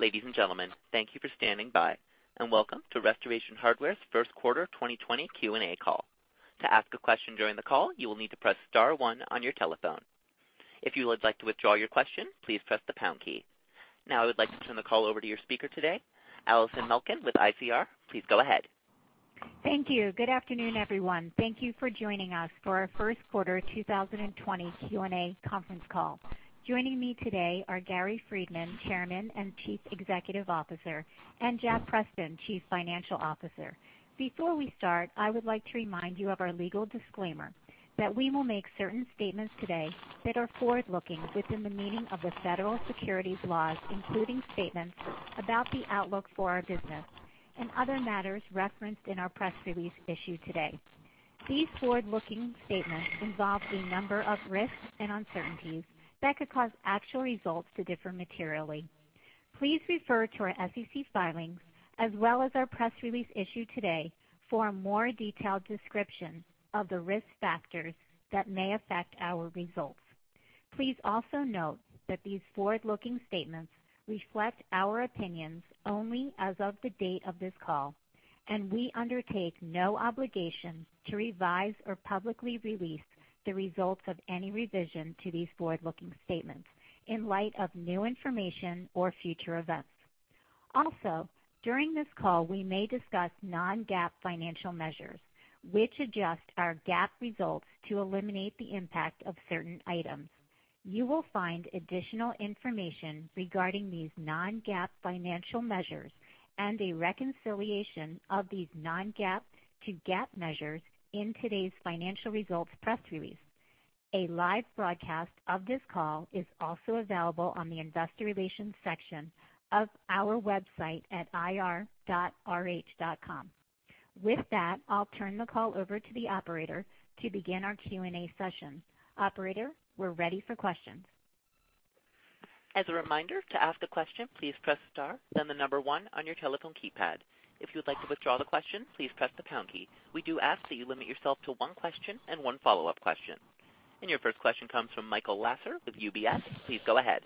Ladies and gentlemen, thank you for standing by, and welcome to Restoration Hardware's First Quarter 2020 Q&A Call. To ask a question during the call, you will need to press star one on your telephone. If you would like to withdraw your question, please press the pound key. Now I would like to turn the call over to your speaker today, Allison Malkin with ICR. Please go ahead. Thank you. Good afternoon, everyone. Thank you for joining us for our first quarter 2020 Q&A conference call. Joining me today are Gary Friedman, Chairman and Chief Executive Officer, and Jack Preston, Chief Financial Officer. Before we start, I would like to remind you of our legal disclaimer that we will make certain statements today that are forward-looking within the meaning of the federal securities laws, including statements about the outlook for our business and other matters referenced in our press release issued today. These forward-looking statements involve a number of risks and uncertainties that could cause actual results to differ materially. Please refer to our SEC filings, as well as our press release issued today for a more detailed description of the risk factors that may affect our results. Please also note that these forward-looking statements reflect our opinions only as of the date of this call, and we undertake no obligation to revise or publicly release the results of any revision to these forward-looking statements in light of new information or future events. Also, during this call, we may discuss non-GAAP financial measures, which adjust our GAAP results to eliminate the impact of certain items. You will find additional information regarding these non-GAAP financial measures and a reconciliation of these non-GAAP to GAAP measures in today's financial results press release. A live broadcast of this call is also available on the investor relations section of our website at ir.rh.com. With that, I'll turn the call over to the operator to begin our Q&A session. Operator, we're ready for questions. As a reminder, to ask a question, please press star, then the number one on your telephone keypad. If you would like to withdraw the question, please press the pound key. We do ask that you limit yourself to one question and one follow-up question. Your first question comes from Michael Lasser with UBS. Please go ahead.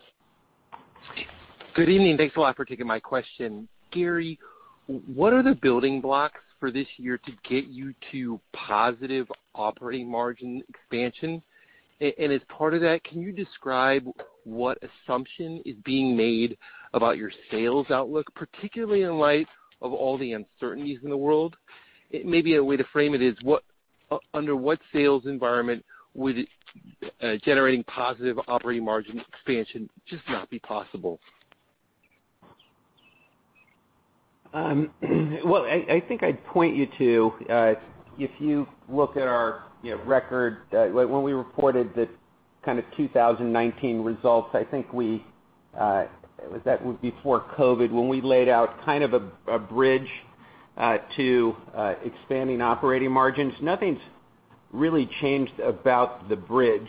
Good evening. Thanks a lot for taking my question. Gary, what are the building blocks for this year to get you to positive operating margin expansion? As part of that, can you describe what assumption is being made about your sales outlook, particularly in light of all the uncertainties in the world? Maybe a way to frame it is, under what sales environment would generating positive operating margin expansion just not be possible? Well, I think I'd point you to, if you look at our record, when we reported the kind of 2019 results, I think that would be before COVID, when we laid out kind of a bridge to expanding operating margins. Nothing's really changed about the bridge.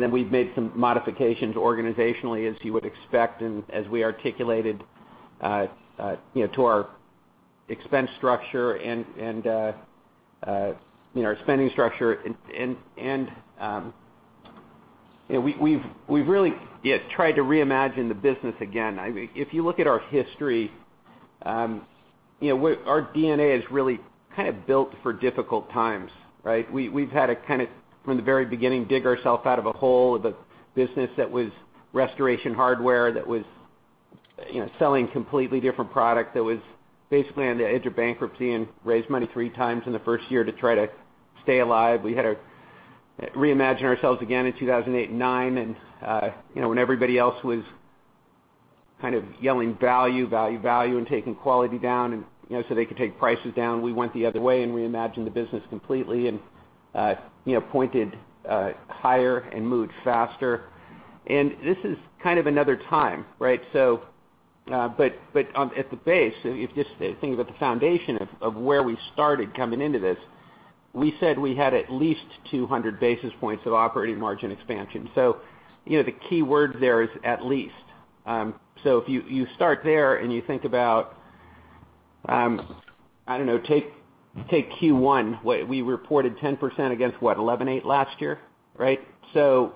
Then we've made some modifications organizationally, as you would expect, and as we articulated to our expense structure and our spending structure. We've really tried to reimagine the business again. If you look at our history, our DNA is really kind of built for difficult times, right? We've had to kind of, from the very beginning, dig ourselves out of a hole of a business that was Restoration Hardware, that was selling completely different product, that was basically on the edge of bankruptcy and raised money 3x in the first year to try to stay alive. When everybody else was kind of yelling value, value and taking quality down so they could take prices down, we went the other way and reimagined the business completely and pointed higher and moved faster. This is kind of another time, right? At the base, if you just think about the foundation of where we started coming into this, we said we had at least 200 basis points of operating margin expansion. The key word there is at least. If you start there and you think about, I don't know, take Q1. We reported 10% against what? 11.8% last year, right?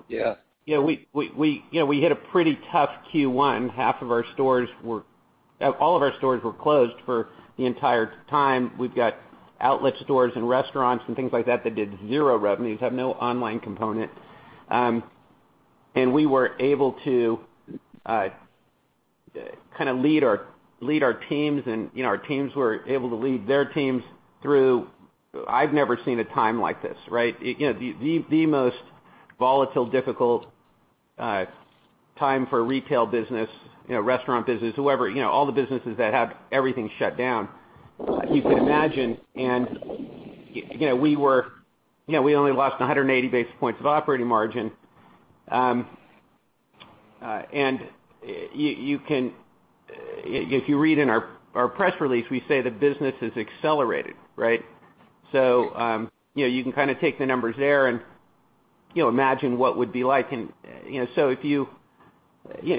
Yeah. We hit a pretty tough Q1. All of our stores were closed for the entire time. We've got outlet stores and restaurants and things like that did zero revenues, have no online component. We were able to kind of lead our teams, and our teams were able to lead their teams through I've never seen a time like this, right? The most volatile, difficult time for retail business, restaurant business, whoever, all the businesses that have everything shut down, you can imagine. We only lost 180 basis points of operating margin. If you read in our press release, we say the business has accelerated, right? You can kind of take the numbers there and imagine what would be like. If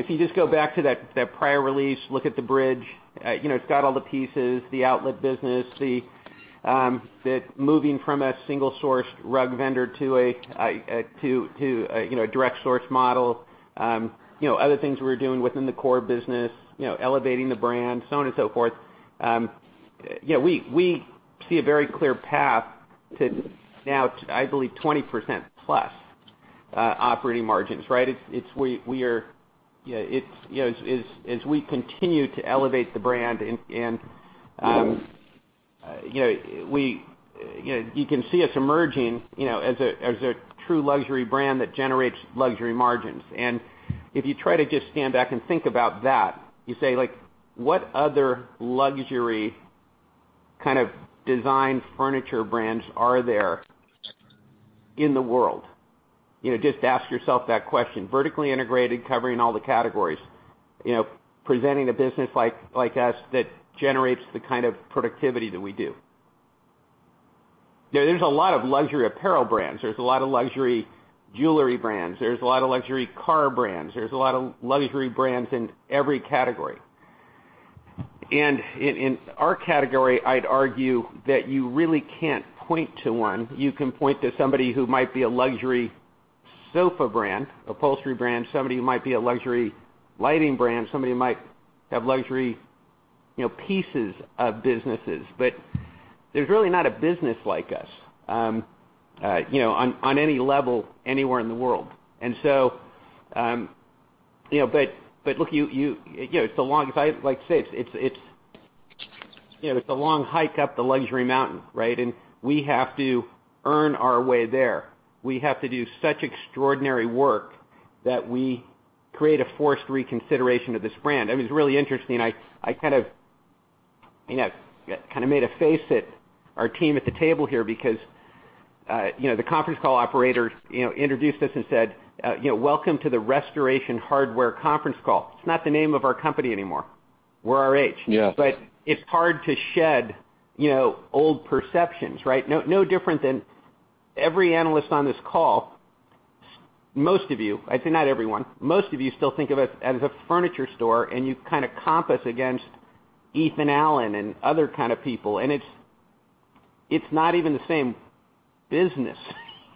you just go back to that prior release, look at the bridge, it's got all the pieces, the outlet business, the moving from a single source rug vendor to a direct source model. Other things we were doing within the core business, elevating the brand, so on and so forth. We see a very clear path to now, I believe, 20%+ operating margins, right? As we continue to elevate the brand, you can see us emerging as a true luxury brand that generates luxury margins. If you try to just stand back and think about that, you say, like, what other luxury kind of design furniture brands are there in the world? Just ask yourself that question. Vertically integrated, covering all the categories, presenting a business like us that generates the kind of productivity that we do. There's a lot of luxury apparel brands. There's a lot of luxury jewelry brands. There's a lot of luxury car brands. There's a lot of luxury brands in every category. In our category, I'd argue that you really can't point to one. You can point to somebody who might be a luxury sofa brand, upholstery brand, somebody who might be a luxury lighting brand, somebody who might have luxury pieces of businesses. There's really not a business like us on any level, anywhere in the world. Like I said, it's a long hike up the luxury mountain, right? We have to earn our way there. We have to do such extraordinary work that we create a forced reconsideration of this brand. It was really interesting, I kind of made a face at our team at the table here because the conference call operator introduced us and said, "Welcome to the Restoration Hardware conference call." It's not the name of our company anymore. We're RH. Yes. It's hard to shed old perceptions, right? No different than every analyst on this call, most of you, I'd say not everyone, most of you still think of us as a furniture store, and you kind of comp us against Ethan Allen and other kind of people, and it's not even the same business.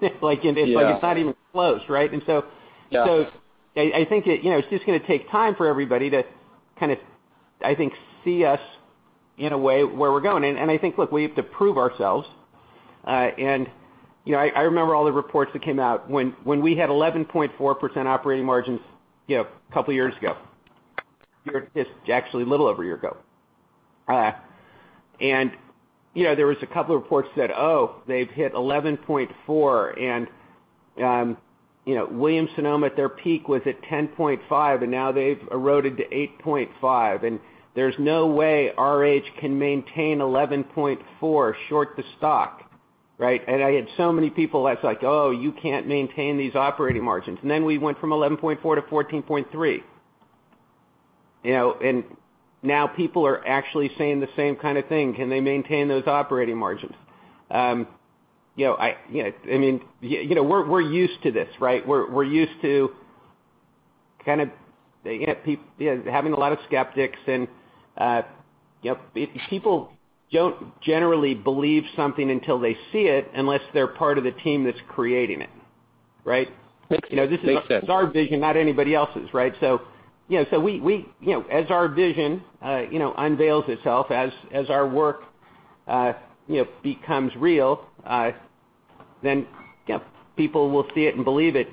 It's not even close, right? Yeah. I think it's just going to take time for everybody to kind of, I think, see us in a way where we're going. I think, look, we have to prove ourselves. I remember all the reports that came out when we had 11.4% operating margins a couple of years ago. Actually, a little over a year ago. There was a couple of reports that said, "Oh, they've hit 11.4%, and Williams-Sonoma at their peak was at 10.5%, and now they've eroded to 8.5%, and there's no way RH can maintain 11.4%. Short the stock," right? I had so many people that's like, "Oh, you can't maintain these operating margins." We went from 11.4% to 14.3%. Now people are actually saying the same kind of thing. "Can they maintain those operating margins?" We're used to this, right? We're used to having a lot of skeptics, and people don't generally believe something until they see it, unless they're part of the team that's creating it, right? Makes sense. This is our vision, not anybody else's, right? As our vision unveils itself, as our work becomes real, then people will see it and believe it.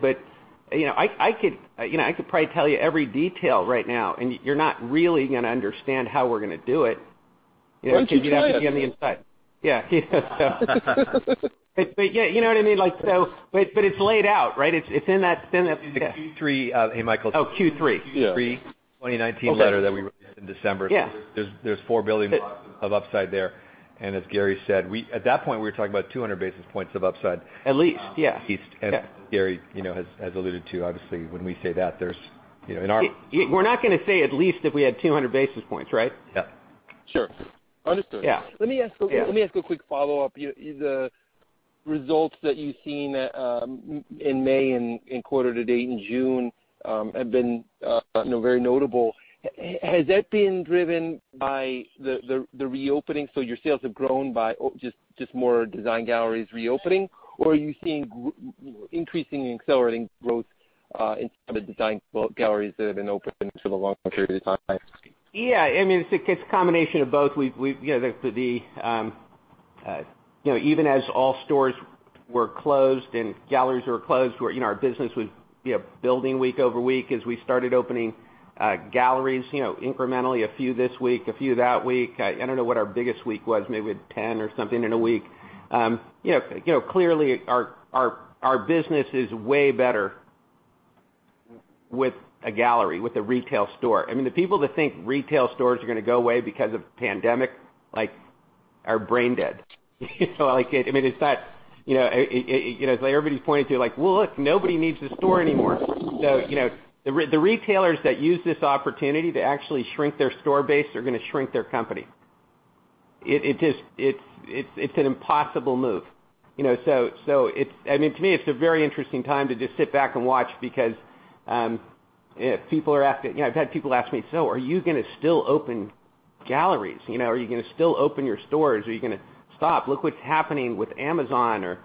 I could probably tell you every detail right now, and you're not really going to understand how we're going to do it. Why don't you try it? Until you actually get on the inside. Yeah. You know what I mean? It's laid out, right? It's in that-- In the Q3, hey, Michael. Oh, Q3. Q3 2019 letter that we wrote in December. There's $4 billion of upside there, and as Gary said, at that point, we were talking about 200 basis points of upside. At least, yeah. At least. Gary has alluded to, obviously, when we say that, there's, in our-- We're not going to say at least if we had 200 basis points, right? Sure. Understood. Let me ask a quick follow-up. The results that you've seen in May and quarter to date in June have been very notable. Has that been driven by the reopening, so your sales have grown by just more design galleries reopening? Are you seeing increasing and accelerating growth in some of the design galleries that have been open for the longer period of time? Yeah. It's a combination of both. Even as all stores were closed and galleries were closed, our business was building week over week as we started opening galleries incrementally, a few this week, a few that week. I don't know what our biggest week was, maybe we had 10 or something in a week. Clearly, our business is way better with a gallery, with a retail store. The people that think retail stores are going to go away because of the pandemic are brain dead. Everybody's pointing to, like, "Well, look, nobody needs the store anymore." The retailers that use this opportunity to actually shrink their store base are going to shrink their company. It's an impossible move. To me, it's a very interesting time to just sit back and watch because I've had people ask me, "Are you going to still open galleries? Are you going to still open your stores? Are you going to stop? Look what's happening with Amazon or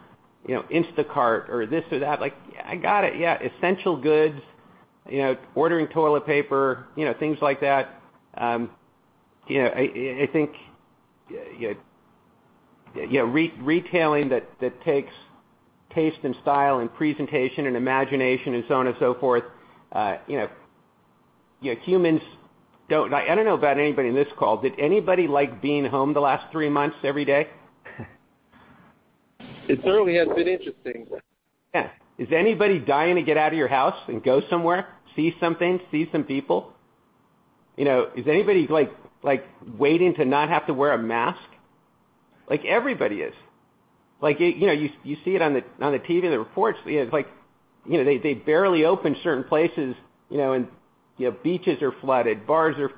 Instacart, or this or that. I got it, yeah. Essential goods, ordering toilet paper, things like that. I think retailing that takes taste and style and presentation and imagination and so on and so forth. I don't know about anybody in this call. Did anybody like being home the last three months every day? It certainly has been interesting. Yeah. Is anybody dying to get out of your house and go somewhere, see something, see some people? Is anybody waiting to not have to wear a mask? Everybody is. You see it on the TV, the reports, they barely open certain places, and beaches are flooded. Bars are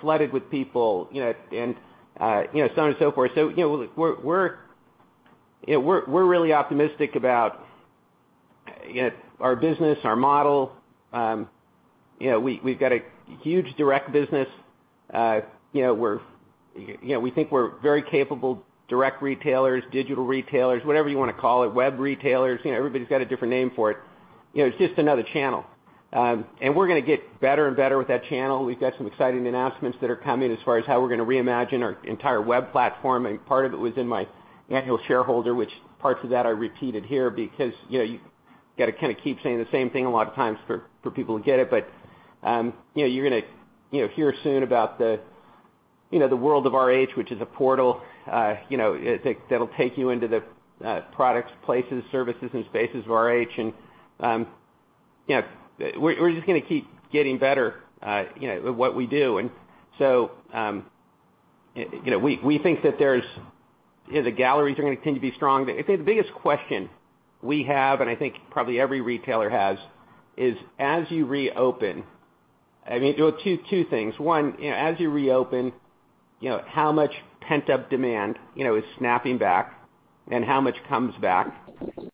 flooded with people, and so on and so forth. We're really optimistic about our business, our model. We've got a huge direct business. We think we're very capable direct retailers, digital retailers, whatever you want to call it, web retailers. Everybody's got a different name for it. It's just another channel. We're going to get better and better with that channel. We've got some exciting announcements that are coming as far as how we're going to reimagine our entire web platform. Part of it was in my annual shareholder, which parts of that I repeated here because you've got to kind of keep saying the same thing a lot of times for people to get it. You're going to hear soon about the World of RH, which is a portal that'll take you into the products, places, services, and spaces of RH. We're just going to keep getting better at what we do. We think that the galleries are going to continue to be strong. I'd say the biggest question we have, and I think probably every retailer has, is as you reopen. Two things. One, as you reopen, how much pent-up demand is snapping back and how much comes back?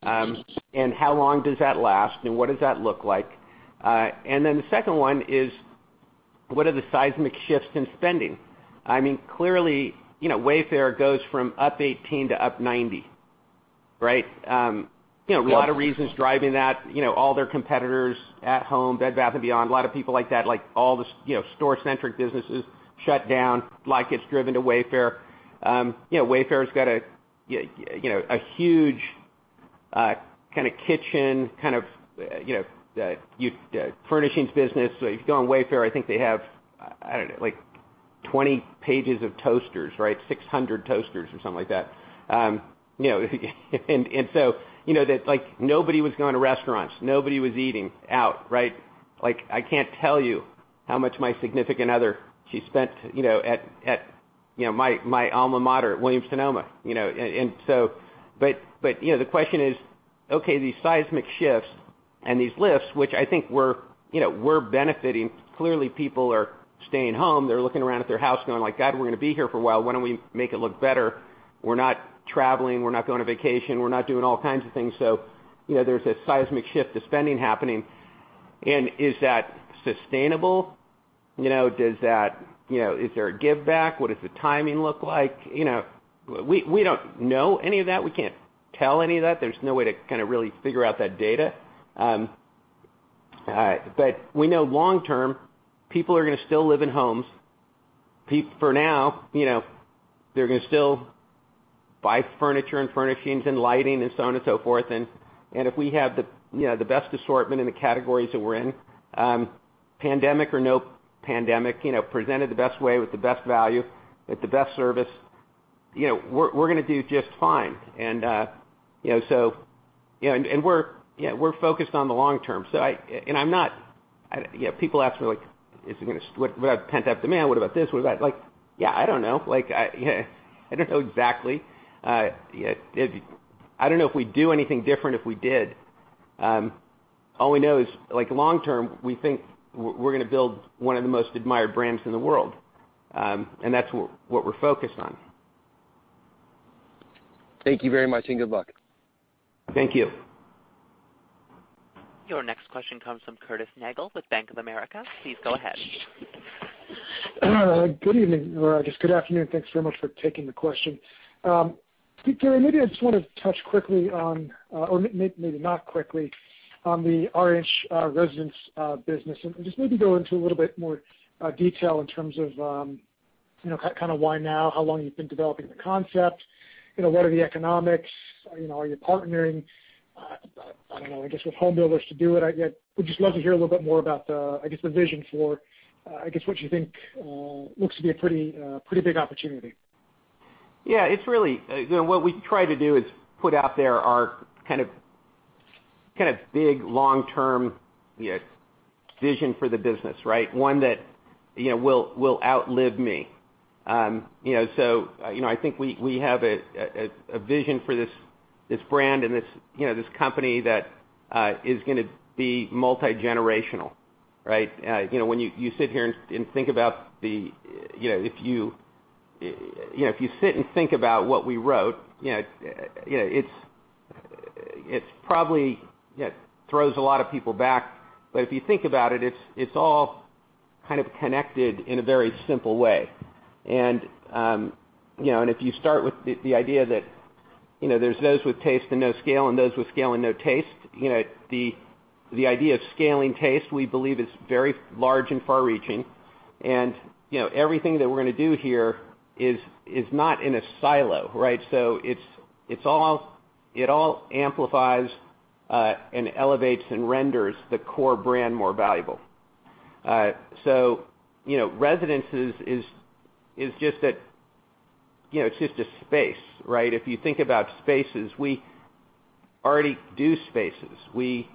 How long does that last, and what does that look like? The second one is, what are the seismic shifts in spending? Clearly, Wayfair goes from up 18 to up 90. Right? Yeah. A lot of reasons driving that. All their competitors, At Home, Bed Bath & Beyond, a lot of people like that, all the store-centric businesses shut down. Traffic's driven to Wayfair. Wayfair's got a huge kind of kitchen kind of furnishings business. If you go on Wayfair, I think they have, I don't know, 20 pages of toasters, right? 600 toasters or something like that. Nobody was going to restaurants. Nobody was eating out. I can't tell you how much my significant other, she spent at my alma mater, Williams-Sonoma. The question is, okay, these seismic shifts and these lifts, which I think we're benefiting. Clearly, people are staying home. They're looking around at their house going like, "God, we're going to be here for a while. Why don't we make it look better? We're not traveling, we're not going to vacation, we're not doing all kinds of things. There's a seismic shift to spending happening. Is that sustainable? Is there a give back? What does the timing look like? We don't know any of that. We can't tell any of that. There's no way to kind of really figure out that data. We know long term, people are going to still live in homes. For now, they're going to still buy furniture and furnishings and lighting and so on and so forth. If we have the best assortment in the categories that we're in, pandemic or no pandemic, presented the best way with the best value, with the best service, we're going to do just fine. We're focused on the long term. People ask me, "What about pent-up demand? What about this?" I don't know. I don't know exactly. I don't know if we'd do anything different if we did. All we know is long term, we think we're going to build one of the most admired brands in the world. That's what we're focused on. Thank you very much, and good luck. Thank you. Your next question comes from Curtis Nagle with Bank of America. Please go ahead. Good evening, or I guess good afternoon. Thanks very much for taking the question. Gary, maybe I just want to touch quickly on, or maybe not quickly, on the RH Residence business, and just maybe go into a little bit more detail in terms of why now, how long you've been developing the concept. What are the economics? Are you partnering, I don't know, I guess, with home builders to do it? I would just love to hear a little bit more about the, I guess, the vision for what you think looks to be a pretty big opportunity. Yeah, what we try to do is put out there our kind of big, long-term vision for the business, right? One that will outlive me. I think we have a vision for this brand and this company that is going to be multi-generational. Right. When you sit here and think about what we wrote, it probably throws a lot of people back. If you think about it's all kind of connected in a very simple way. If you start with the idea that there's those with taste and no scale and those with scale and no taste, the idea of scaling taste, we believe is very large and far-reaching. Everything that we're going to do here is not in a silo, right? It all amplifies, elevates, and renders the core brand more valuable. Residences is just a space, right? If you think about spaces, we already do spaces. We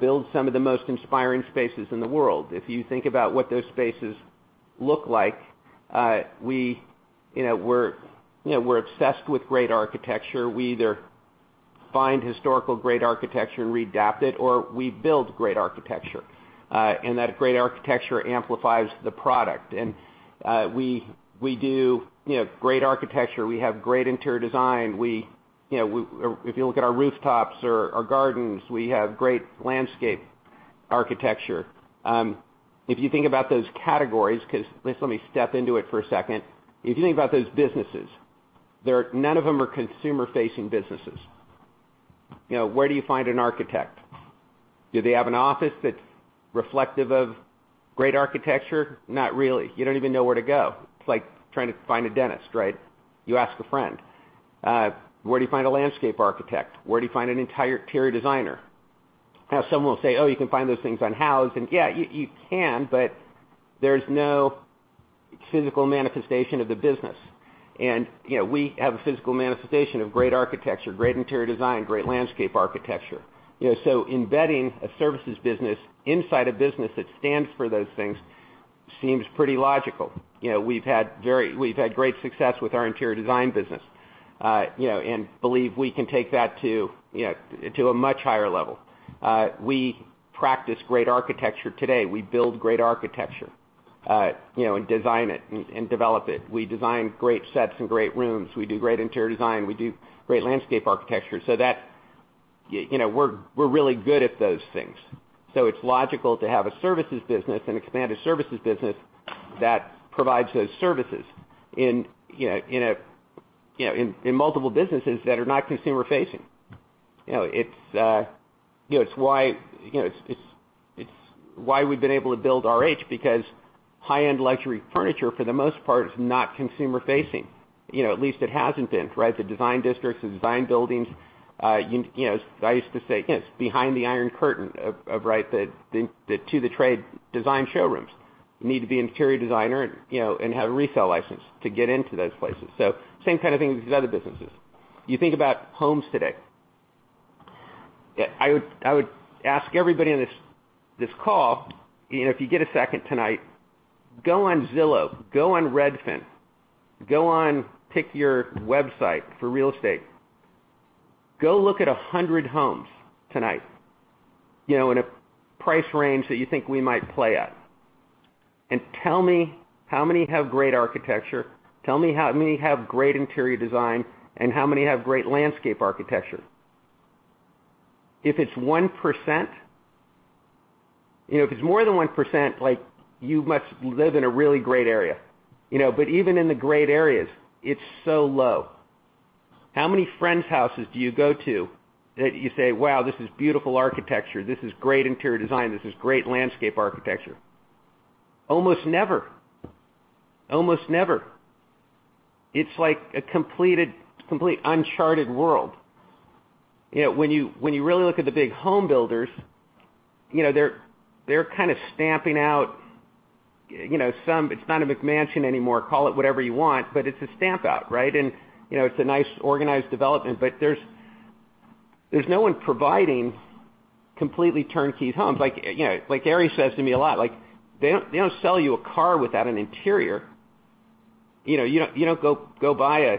build some of the most inspiring spaces in the world. If you think about what those spaces look like, we're obsessed with great architecture. We either find historical great architecture and readapt it, or we build great architecture. That great architecture amplifies the product. We do great architecture. We have great interior design. If you look at our rooftops or our gardens, we have great landscape architecture. If you think about those categories, because just let me step into it for a second. If you think about those businesses, none of them are consumer-facing businesses. Where do you find an architect? Do they have an office that's reflective of great architecture? Not really. You don't even know where to go. It's like trying to find a dentist, right? You ask a friend. Where do you find a landscape architect? Where do you find an interior designer? Some will say, "Oh, you can find those things on Houzz." Yeah, you can, but there's no physical manifestation of the business. We have a physical manifestation of great architecture, great interior design, great landscape architecture. Embedding a services business inside a business that stands for those things seems pretty logical. We've had great success with our interior design business, and believe we can take that to a much higher level. We practice great architecture today. We build great architecture and design it and develop it. We design great sets and great rooms. We do great interior design. We do great landscape architecture. We're really good at those things. It's logical to have a services business, an expanded services business that provides those services in multiple businesses that are not consumer facing. It's why we've been able to build RH, because high-end luxury furniture, for the most part, is not consumer facing. At least it hasn't been, right? The design districts, the design buildings, I used to say, it's behind the Iron Curtain of to the trade design showrooms. You need to be an interior designer and have a resale license to get into those places. Same kind of thing with these other businesses. You think about homes today. I would ask everybody on this call, if you get a second tonight, go on Zillow, go on Redfin, go on, pick your website for real estate. Go look at 100 homes tonight in a price range that you think we might play at. Tell me how many have great architecture, tell me how many have great interior design, and how many have great landscape architecture. If it's 1%, if it's more than 1%, you must live in a really great area. Even in the great areas, it's so low. How many friends' houses do you go to that you say, "Wow. This is beautiful architecture. This is great interior design. This is great landscape architecture." Almost never. It's like a complete uncharted world. When you really look at the big home builders, they're kind of stamping out. It's not a McMansion anymore, call it whatever you want, but it's a stamp out, right? It's a nice organized development, but there's no one providing completely turnkey homes. Like Gary says to me a lot, they don't sell you a car without an interior. You don't go buy a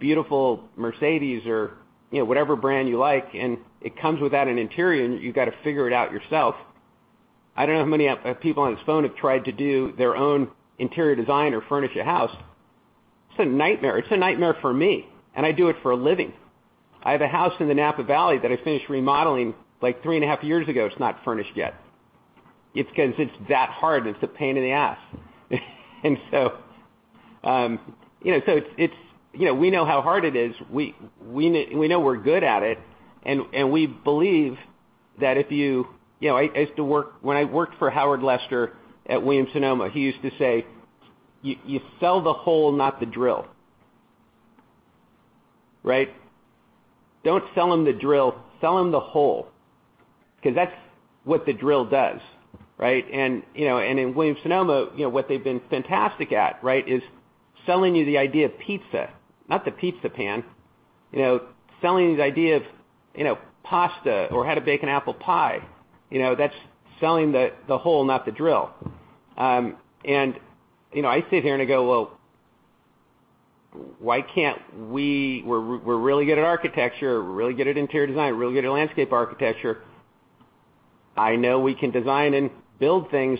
beautiful Mercedes or whatever brand you like, and it comes without an interior, and you've got to figure it out yourself. I don't know how many people on this phone have tried to do their own interior design or furnish a house. It's a nightmare. It's a nightmare for me, and I do it for a living. I have a house in the Napa Valley that I finished remodeling like 3.5 years ago. It's not furnished yet. It's because it's that hard. It's a pain in the ass. We know how hard it is. We know we're good at it, and we believe that When I worked for Howard Lester at Williams-Sonoma, he used to say, "You sell the hole, not the drill." Right? Don't sell them the drill, sell them the hole, because that's what the drill does, right? In Williams-Sonoma, what they've been fantastic at is selling you the idea of pizza, not the pizza pan. Selling you the idea of pasta or how to bake an apple pie. That's selling the hole, not the drill. I sit here and I go, We're really good at architecture, we're really good at interior design, we're really good at landscape architecture. I know we can design and build things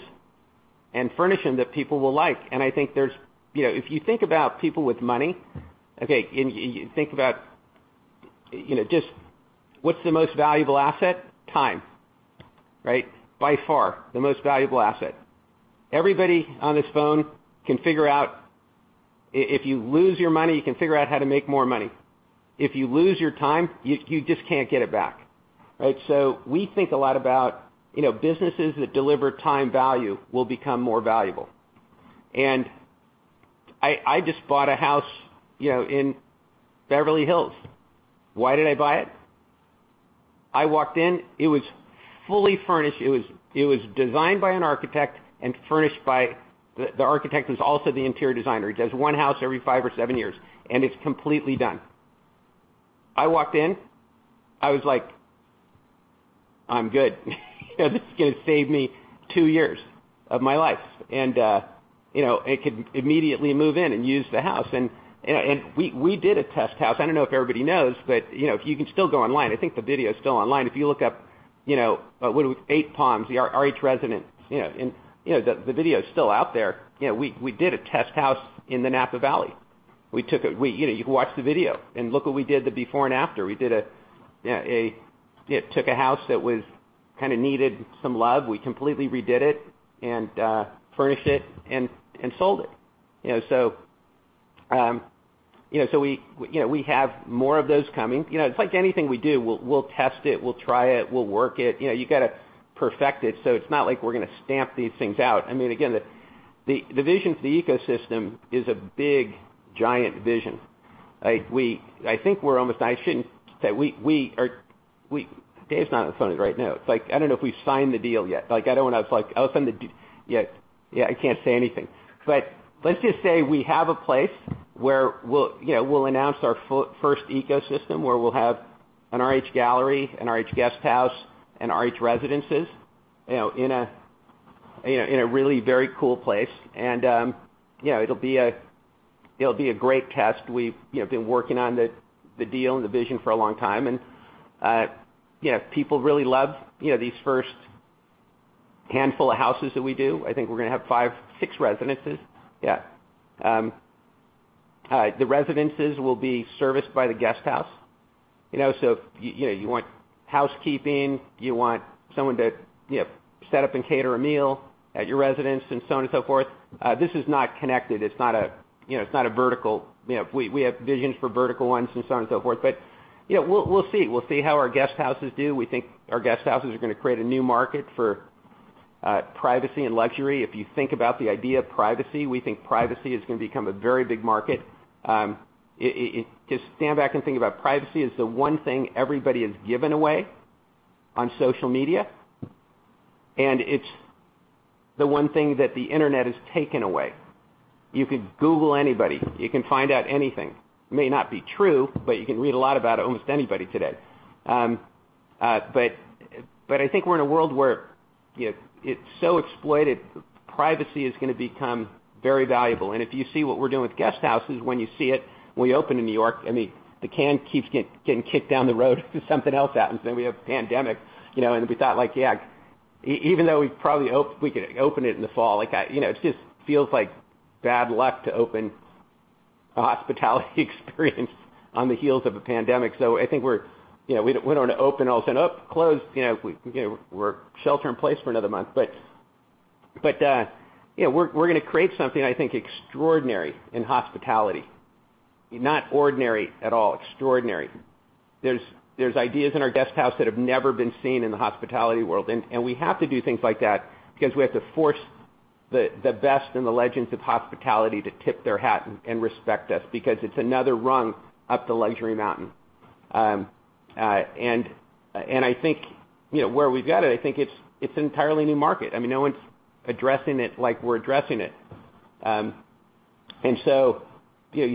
and furnish them that people will like. I think if you think about people with money, you think about just what's the most valuable asset? Time, right? By far, the most valuable asset. Everybody on this phone can figure out if you lose your money, you can figure out how to make more money. If you lose your time, you just can't get it back, right? We think a lot about businesses that deliver time value will become more valuable. I just bought a house in Beverly Hills. Why did I buy it? I walked in, it was fully furnished. It was designed by an architect and furnished by the architect, who's also the interior designer. He does one house every five or seven years, and it's completely done. I walked in, I was like, "I'm good." This is going to save me two years of my life. I could immediately move in and use the house. We did a test house. I don't know if everybody knows, but you can still go online. I think the video is still online. If you look up Eight Palms, the RH Residence, and the video's still out there. We did a test house in the Napa Valley. You can watch the video and look what we did, the before and after. We took a house that kind of needed some love. We completely redid it and furnished it and sold it. We have more of those coming. It's like anything we do, we'll test it, we'll try it, we'll work it. You got to perfect it, so it's not like we're going to stamp these things out. Again, the vision for the ecosystem is a big, giant vision. Dave's not on the phone right now. It's like, I don't know if we've signed the deal yet. Yeah, I can't say anything. Let's just say we have a place where we'll announce our first ecosystem, where we'll have an RH Gallery, an RH Guesthouse, and RH Residences, in a really very cool place. It'll be a great test. We've been working on the deal and the vision for a long time, and people really love these first handful of houses that we do. I think we're going to have five, six residences. Yeah. The residences will be serviced by the guest houses. If you want housekeeping, you want someone to set up and cater a meal at your residence and so on and so forth. This is not connected. It's not a vertical. We have visions for vertical ones and so on and so forth. We'll see. We'll see how our guest houses do. We think our guest houses are going to create a new market for privacy and luxury. You think about the idea of privacy, we think privacy is going to become a very big market. Stand back and think about privacy is the one thing everybody has given away on social media, and it's the one thing that the internet has taken away. You can Google anybody. You can find out anything. It may not be true, you can read a lot about almost anybody today. I think we're in a world where it's so exploited. Privacy is going to become very valuable. If you see what we're doing with guest houses, when you see it, when we open in New York, the can keeps getting kicked down the road because something else happens. We have a pandemic, and we thought like, yeah, even though we could open it in the fall, it just feels like bad luck to open a hospitality experience on the heels of a pandemic. I think we don't want to open all of a sudden. "Oh, close. We're shelter in place for another month." We're going to create something, I think, extraordinary in hospitality. Not ordinary at all, extraordinary. There's ideas in our guest houses that have never been seen in the hospitality world, and we have to do things like that because we have to force the best and the legends of hospitality to tip their hat and respect us because it's another rung up the luxury mountain. I think where we've got it, I think it's an entirely new market. No one's addressing it like we're addressing it. You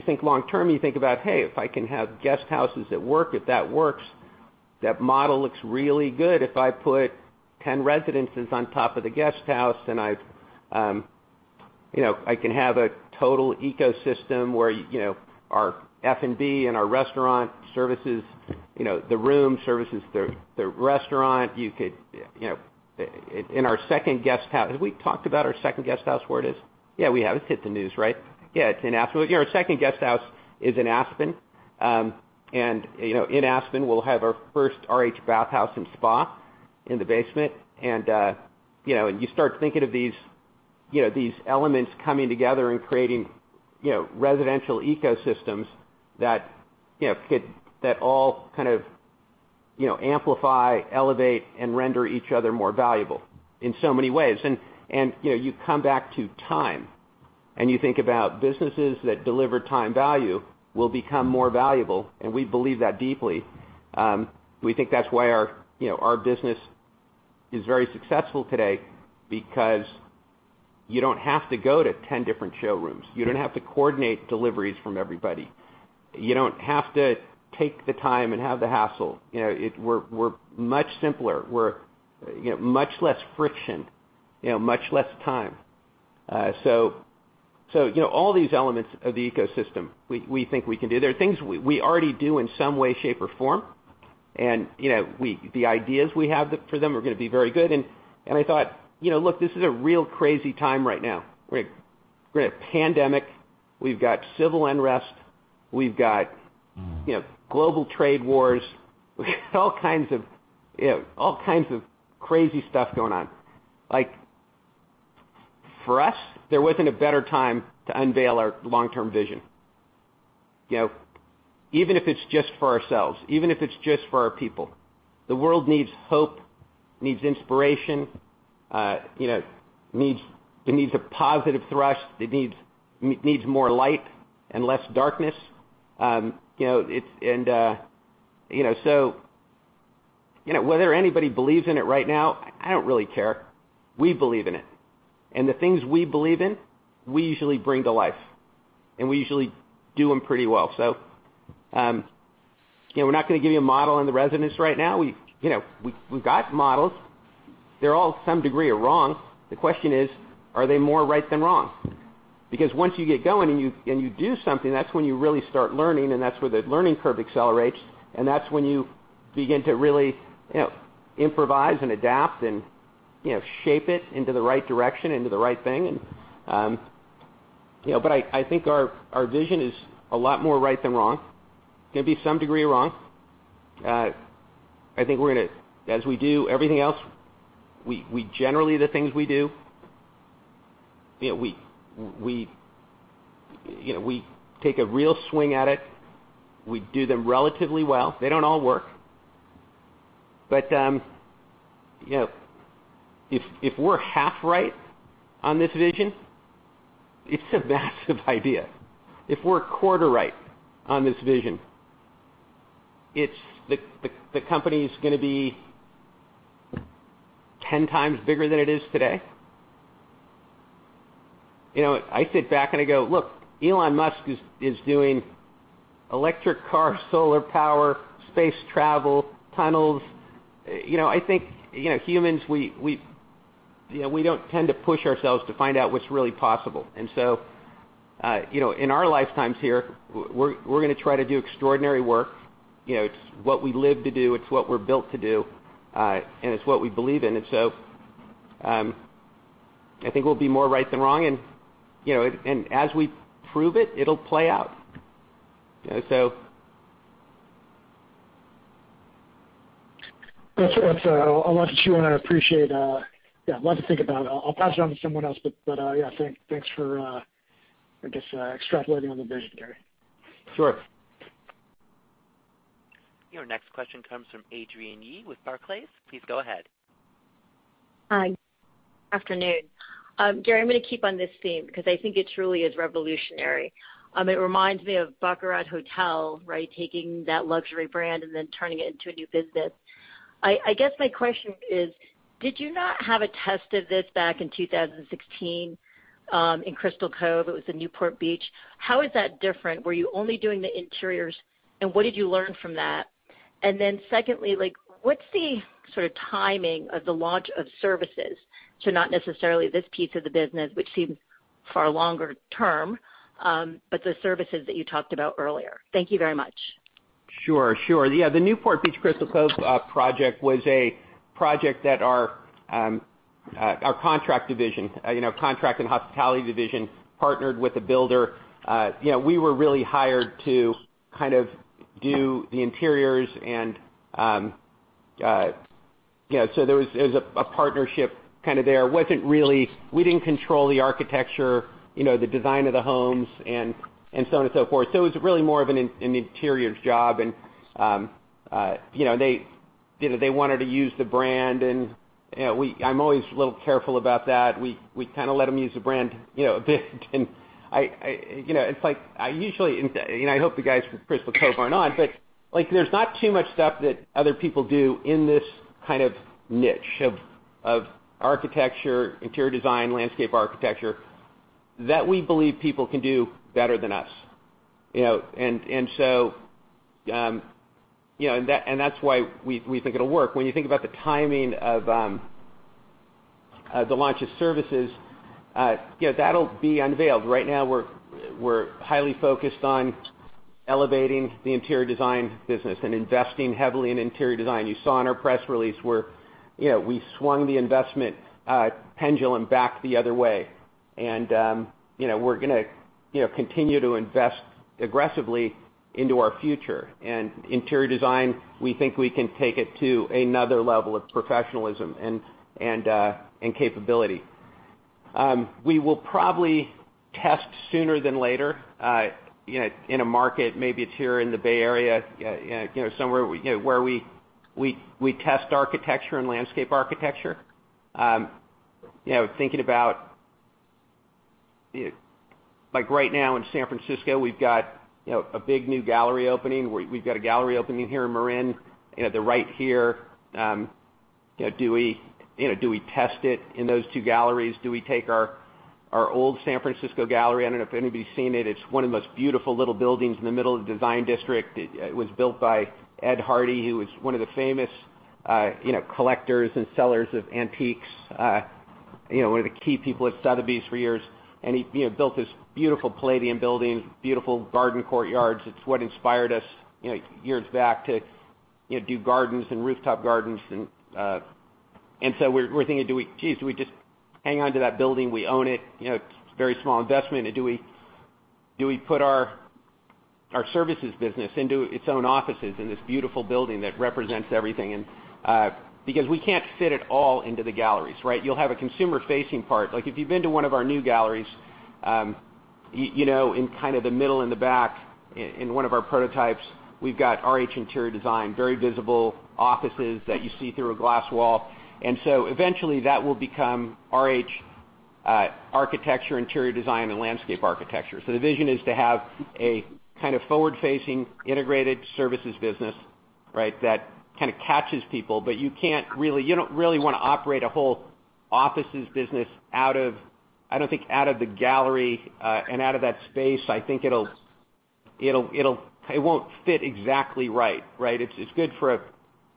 think long term, you think about, "Hey, if I can have guest houses that work, if that works, that model looks really good. If I put 10 residences on top of the guest house, then I can have a total ecosystem where our F&B and our restaurant services the room, services the restaurant." Have we talked about our second guest house, where it is? Yeah, we have. It's hit the news, right? Yeah, it's in Aspen. Our second guest house is in Aspen. In Aspen, we'll have our first RH Bath House & Spa in the basement. You start thinking of these elements coming together and creating residential ecosystems that all kind of amplify, elevate, and render each other more valuable in so many ways. You come back to time, and you think about businesses that deliver time value will become more valuable, and we believe that deeply. We think that's why our business is very successful today, because you don't have to go to 10 different showrooms. You don't have to coordinate deliveries from everybody. You don't have to take the time and have the hassle. We're much simpler. We're much less friction, much less time. All these elements of the ecosystem, we think we can do. There are things we already do in some way, shape, or form, and the ideas we have for them are going to be very good. I thought, look, this is a real crazy time right now. We're in a pandemic, we've got civil unrest. We've got Global trade wars. We've got all kinds of crazy stuff going on. For us, there wasn't a better time to unveil our long-term vision. Even if it's just for ourselves, even if it's just for our people. The world needs hope, needs inspiration, it needs a positive thrust, it needs more light and less darkness. Whether anybody believes in it right now, I don't really care. We believe in it, and the things we believe in, we usually bring to life, and we usually do them pretty well. We're not going to give you a model on the residence right now. We've got models. They all, to some degree, are wrong. The question is, are they more right than wrong? Once you get going and you do something, that's when you really start learning, and that's where the learning curve accelerates, and that's when you begin to really improvise and adapt and shape it into the right direction, into the right thing. I think our vision is a lot more right than wrong. It's going to be some degree wrong. I think as we do everything else, generally the things we do, we take a real swing at it. We do them relatively well. They don't all work. If we're half right on this vision, it's a massive idea. If we're a quarter right on this vision, the company's going to be 10x bigger than it is today. I sit back and I go, look, Elon Musk is doing electric cars, solar power, space travel, tunnels. I think humans, we don't tend to push ourselves to find out what's really possible. In our lifetimes here, we're going to try to do extraordinary work. It's what we live to do, it's what we're built to do, and it's what we believe in. I think we'll be more right than wrong, and as we prove it'll play out. That's a lot to chew on. I appreciate Yeah, a lot to think about. I'll pass it on to someone else, but thanks for, I guess, extrapolating on the vision, Gary. Sure. Your next question comes from Adrienne Yih with Barclays. Please go ahead. Hi. Afternoon. Gary, I'm going to keep on this theme because I think it truly is revolutionary. It reminds me of Baccarat Hotel, right? Taking that luxury brand and then turning it into a new business. I guess my question is, did you not have a test of this back in 2016 in Crystal Cove? It was in Newport Beach. How is that different? Were you only doing the interiors, and what did you learn from that? Secondly, what's the sort of timing of the launch of services? Not necessarily this piece of the business, which seems far longer term, but the services that you talked about earlier. Thank you very much. Sure. Yeah, the Newport Beach Crystal Cove project was a project that our contract and hospitality division partnered with a builder. We were really hired to do the interiors, there was a partnership there. We didn't control the architecture, the design of the homes, and so on and so forth. It was really more of an interiors job, and they wanted to use the brand, and I'm always a little careful about that. We kind of let them use the brand a bit and I hope the guys from Crystal Cove aren't on, there's not too much stuff that other people do in this kind of niche of architecture, interior design, landscape architecture, that we believe people can do better than us. That's why we think it'll work. When you think about the timing of the launch of services, that'll be unveiled. Right now, we're highly focused on elevating the interior design business and investing heavily in interior design. You saw in our press release, we swung the investment pendulum back the other way. We're going to continue to invest aggressively into our future. Interior design, we think we can take it to another level of professionalism and capability. We will probably test sooner than later, in a market, maybe it's here in the Bay Area, somewhere where we test architecture and landscape architecture. Thinking about right now in San Francisco, we've got a big new gallery opening. We've got a gallery opening here in Marin. They're right here. Do we test it in those two galleries? Do we take our old San Francisco gallery, I don't know if anybody's seen it. It's one of the most beautiful little buildings in the middle of the Design District. It was built by Ed Hardy who was one of the famous collectors and sellers of antiques, one of the key people at Sotheby's for years. He built this beautiful Palladian building, beautiful garden courtyards. It's what inspired us years back to do gardens and rooftop gardens. So we're thinking, gee, do we just hang on to that building? We own it. It's a very small investment. Do we put our services business into its own offices in this beautiful building that represents everything. Because we can't fit it all into the galleries, right? You'll have a consumer-facing part. If you've been to one of our new galleries, in kind of the middle in the back in one of our prototypes, we've got RH Interior Design, very visible offices that you see through a glass wall. Eventually that will become RH Architecture, Interior Design, and Landscape Architecture. The vision is to have a kind of forward-facing integrated services business that kind of catches people, but you don't really want to operate a whole offices business, I don't think out of the gallery, and out of that space. I think it won't fit exactly right. It's good for a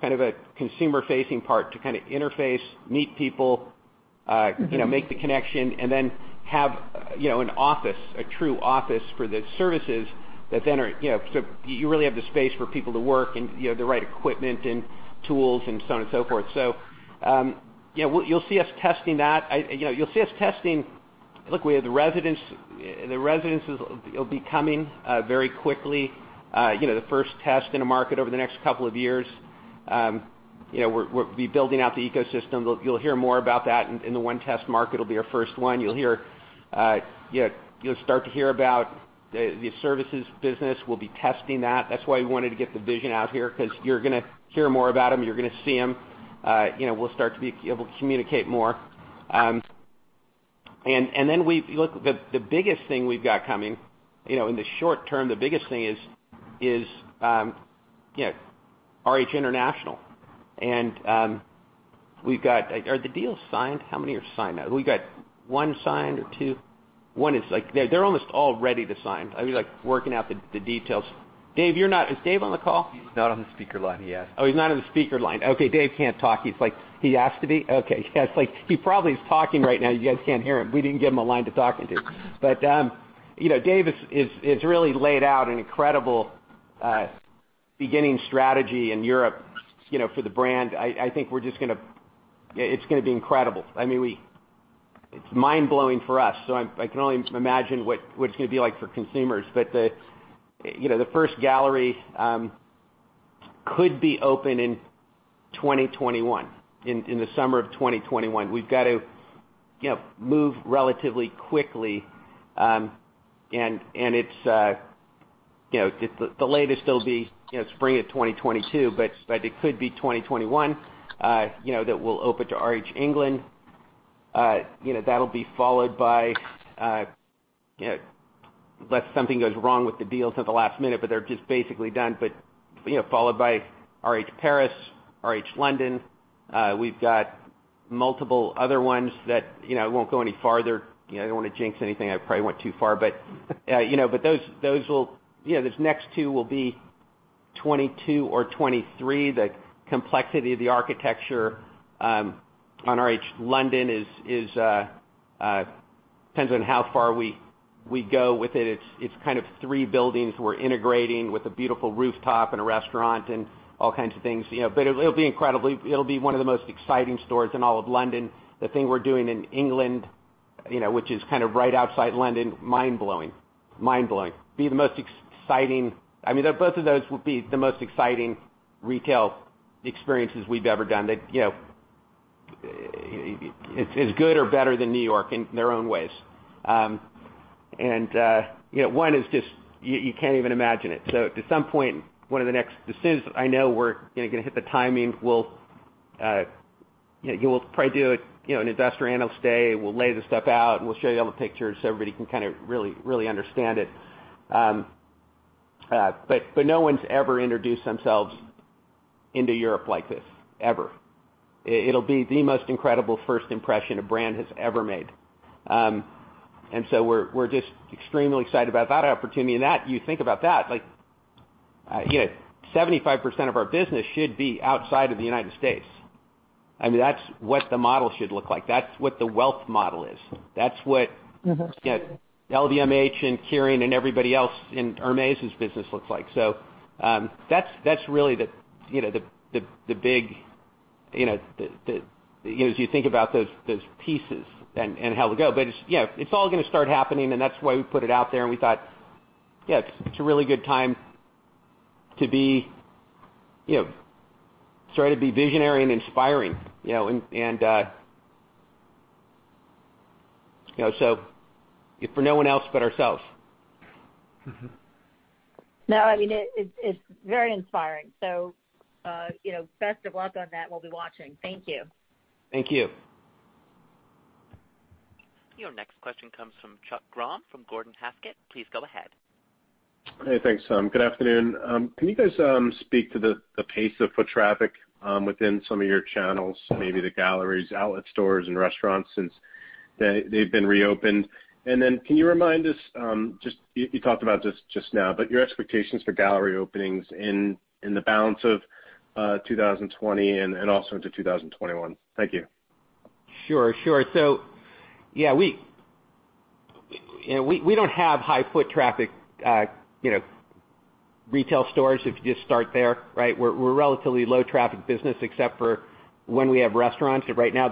kind of a consumer-facing part to kind of interface, meet people, make the connection, and then have an office, a true office for the services so you really have the space for people to work and the right equipment and tools and so on and so forth. You'll see us testing that. Look, we have the Residence. The Residence will be coming very quickly. The first test in a market over the next couple of years. We'll be building out the ecosystem. You'll hear more about that in the one test market. It'll be our first one. You'll start to hear about the services business. We'll be testing that. That's why we wanted to get the vision out here, because you're going to hear more about them. You're going to see them. We'll start to be able to communicate more. Look, the biggest thing we've got coming, in the short term, the biggest thing is RH International. Are the deals signed? How many are signed now? We got one signed or two. One is like They're almost all ready to sign. Working out the details. Is Dave on the call? He's not on the speaker line, he asked. He's not on the speaker line. Dave can't talk. He asked to be? Yeah, it's like he probably is talking right now. You guys can't hear him. We didn't give him a line to talk into. Dave has really laid out an incredible beginning strategy in Europe for the brand. I think it's going to be incredible. It's mind-blowing for us, I can only imagine what it's going to be like for consumers. The first gallery could be open in 2021, in the summer of 2021. We've got to move relatively quickly. The latest it'll be spring of 2022, it could be 2021 that we'll open to RH England. That'll be followed by, unless something goes wrong with the deals at the last minute, they're just basically done, followed by RH Paris, RH London. We've got multiple other ones that I won't go any farther. I don't want to jinx anything. I probably went too far. Those next two will be 2022 or 2023. The complexity of the architecture on RH London depends on how far we go with it. It's kind of three buildings we're integrating with a beautiful rooftop and a restaurant and all kinds of things. It'll be one of the most exciting stores in all of London. The thing we're doing in England, which is kind of right outside London, mind-blowing. Mind-blowing. Both of those will be the most exciting retail experiences we've ever done. It's as good or better than New York in their own ways. One is just, you can't even imagine it. At some point, as soon as I know we're going to hit the timing, we'll probably do an investor analyst day. We'll lay the stuff out, and we'll show you all the pictures so everybody can kind of really understand it. No one's ever introduced themselves into Europe like this, ever. It'll be the most incredible first impression a brand has ever made. We're just extremely excited about that opportunity and you think about that, 75% of our business should be outside of the United States. That's what the model should look like. That's what the wealth model is. That's what LVMH and Kering and everybody else, and Hermès' business looks like. That's really the big As you think about those pieces and how they go. It's all going to start happening, and that's why we put it out there, and we thought, it's a really good time to be sort of be visionary and inspiring. If for no one else but ourselves. No, it's very inspiring. Best of luck on that. We'll be watching. Thank you. Thank you. Your next question comes from Chuck Grom from Gordon Haskett. Please go ahead. Hey, thanks, Tom. Good afternoon. Can you guys speak to the pace of foot traffic within some of your channels, maybe the galleries, outlet stores, and restaurants since they've been reopened? Can you remind us, you talked about this just now, but your expectations for gallery openings in the balance of 2020 and also into 2021? Thank you. Sure. Yeah, we don't have high foot traffic retail stores, if you just start there, right? We're a relatively low traffic business, except for when we have restaurants. Right now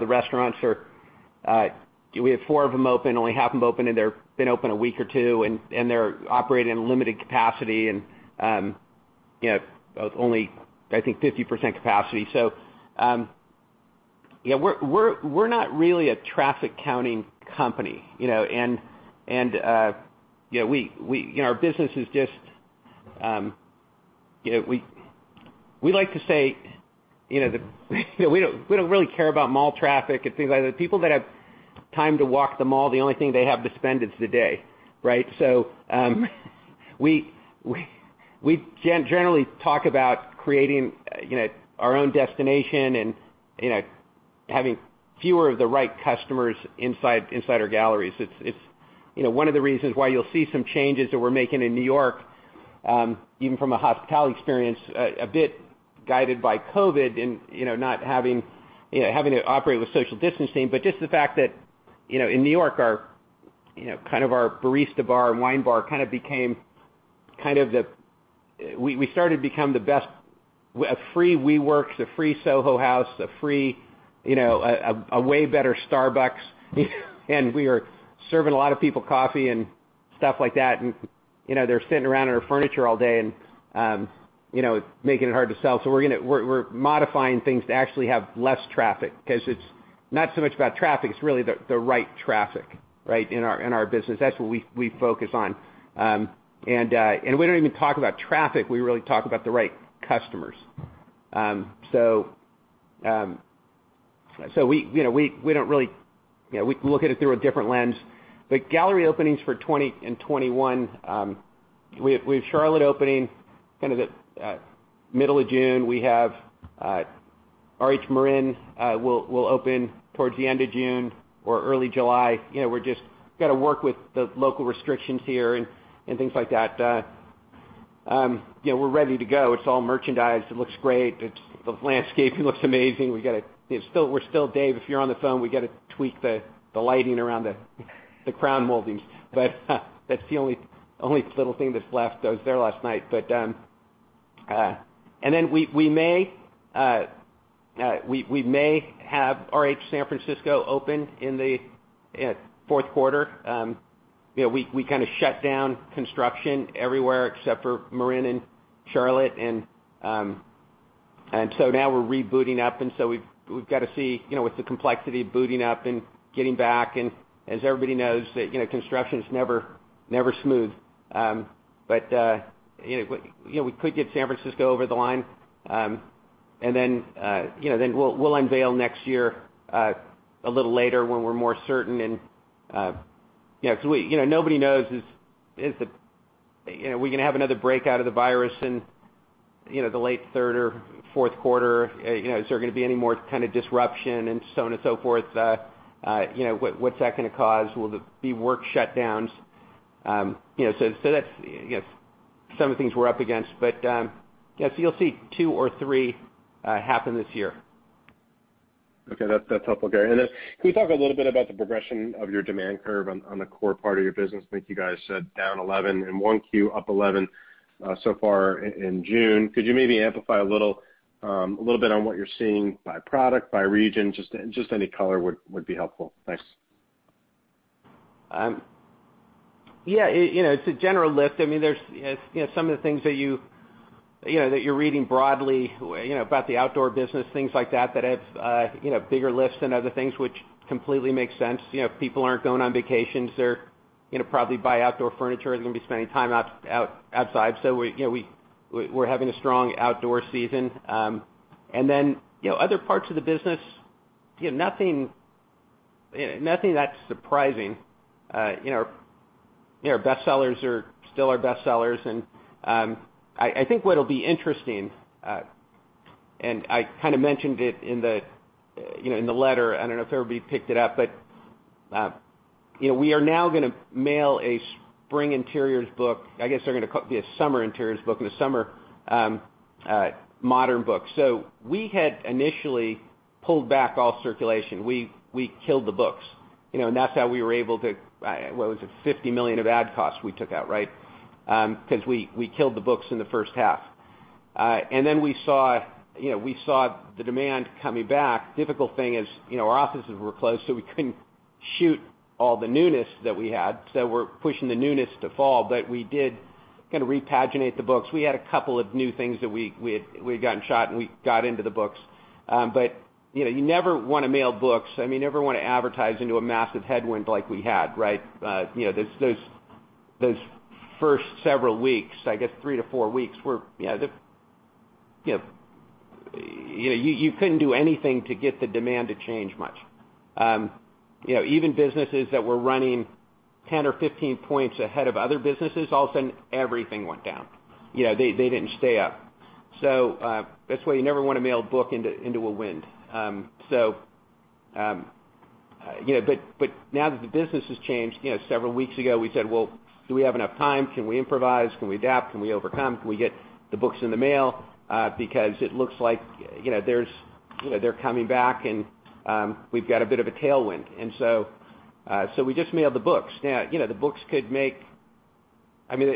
We have four of them open, only half of them open, they've been open a week or two, and they're operating in limited capacity and, only, I think, 50% capacity. We're not really a traffic counting company. Our business is just We like to say, we don't really care about mall traffic and things like that. People that have time to walk the mall, the only thing they have to spend is the day, right? We generally talk about creating our own destination and having fewer of the right customers inside our galleries. It's one of the reasons why you'll see some changes that we're making in New York, even from a hospitality experience, a bit guided by COVID, having to operate with social distancing. Just the fact that, in New York, kind of our barista bar and wine bar kind of became, we started to become the best A free WeWork, it's a free Soho House, a way better Starbucks. We are serving a lot of people coffee and stuff like that, and they're sitting around in our furniture all day and making it hard to sell. We're modifying things to actually have less traffic because it's not so much about traffic, it's really the right traffic, in our business. That's what we focus on. We don't even talk about traffic. We really talk about the right customers. We look at it through a different lens. Gallery openings for 2020 and 2021, we have Charlotte opening kind of at middle of June. We have RH Marin will open towards the end of June or early July. We're just got to work with the local restrictions here and things like that. We're ready to go. It's all merchandised. It looks great. The landscaping looks amazing. We're still, Dave, if you're on the phone, we got to tweak the lighting around the crown moldings, but that's the only little thing that's left. I was there last night. We may have RH San Francisco open in the fourth quarter. We kind of shut down construction everywhere except for Marin and Charlotte. Now we're rebooting up, and so we've got to see with the complexity of booting up and getting back, and as everybody knows that construction's never smooth. We could get San Francisco over the line. We'll unveil next year, a little later when we're more certain. Because nobody knows if we can have another breakout of the virus in the late third or fourth quarter. Is there going to be any more kind of disruption and so on and so forth? What's that going to cause? Will there be work shutdowns? That's some of the things we're up against. You'll see two or three happen this year. Okay. That's helpful, Gary. Can you talk a little bit about the progression of your demand curve on the core part of your business? I think you guys said down 11% in 1Q, up 11% so far in June. Could you maybe amplify a little bit on what you're seeing by product, by region? Just any color would be helpful. Thanks. It's a general lift. Some of the things that you're reading broadly about the outdoor business, things like that have bigger lifts than other things, which completely makes sense. People aren't going on vacations. They're going to probably buy outdoor furniture. They're going to be spending time outside. We're having a strong outdoor season. Other parts of the business, nothing that surprising. Our best sellers are still our best sellers and I think what'll be interesting, and I kind of mentioned it in the letter, I don't know if everybody picked it up, but we are now going to mail a spring interiors book. I guess they're going to be a summer interiors book and a summer modern book. We had initially pulled back all circulation. We killed the books, and that's how we were able to What was it? $50 million of ad costs we took out, right? We killed the books in the first half. We saw the demand coming back. Difficult thing is our offices were closed, so we couldn't shoot all the newness that we had. We're pushing the newness to fall. We did kind of repaginate the books. We had a couple of new things that we had gotten shot and we got into the books. You never want to mail books. You never want to advertise into a massive headwind like we had, right? Those first several weeks, I guess three to four weeks were. You couldn't do anything to get the demand to change much. Even businesses that were running 10 or 15 points ahead of other businesses, all of a sudden, everything went down. They didn't stay up. That's why you never want to mail a book into a wind. Now that the business has changed, several weeks ago we said, "Well, do we have enough time? Can we improvise? Can we adapt? Can we overcome? Can we get the books in the mail?" It looks like they're coming back and we've got a bit of a tailwind. We just mailed the books. The books,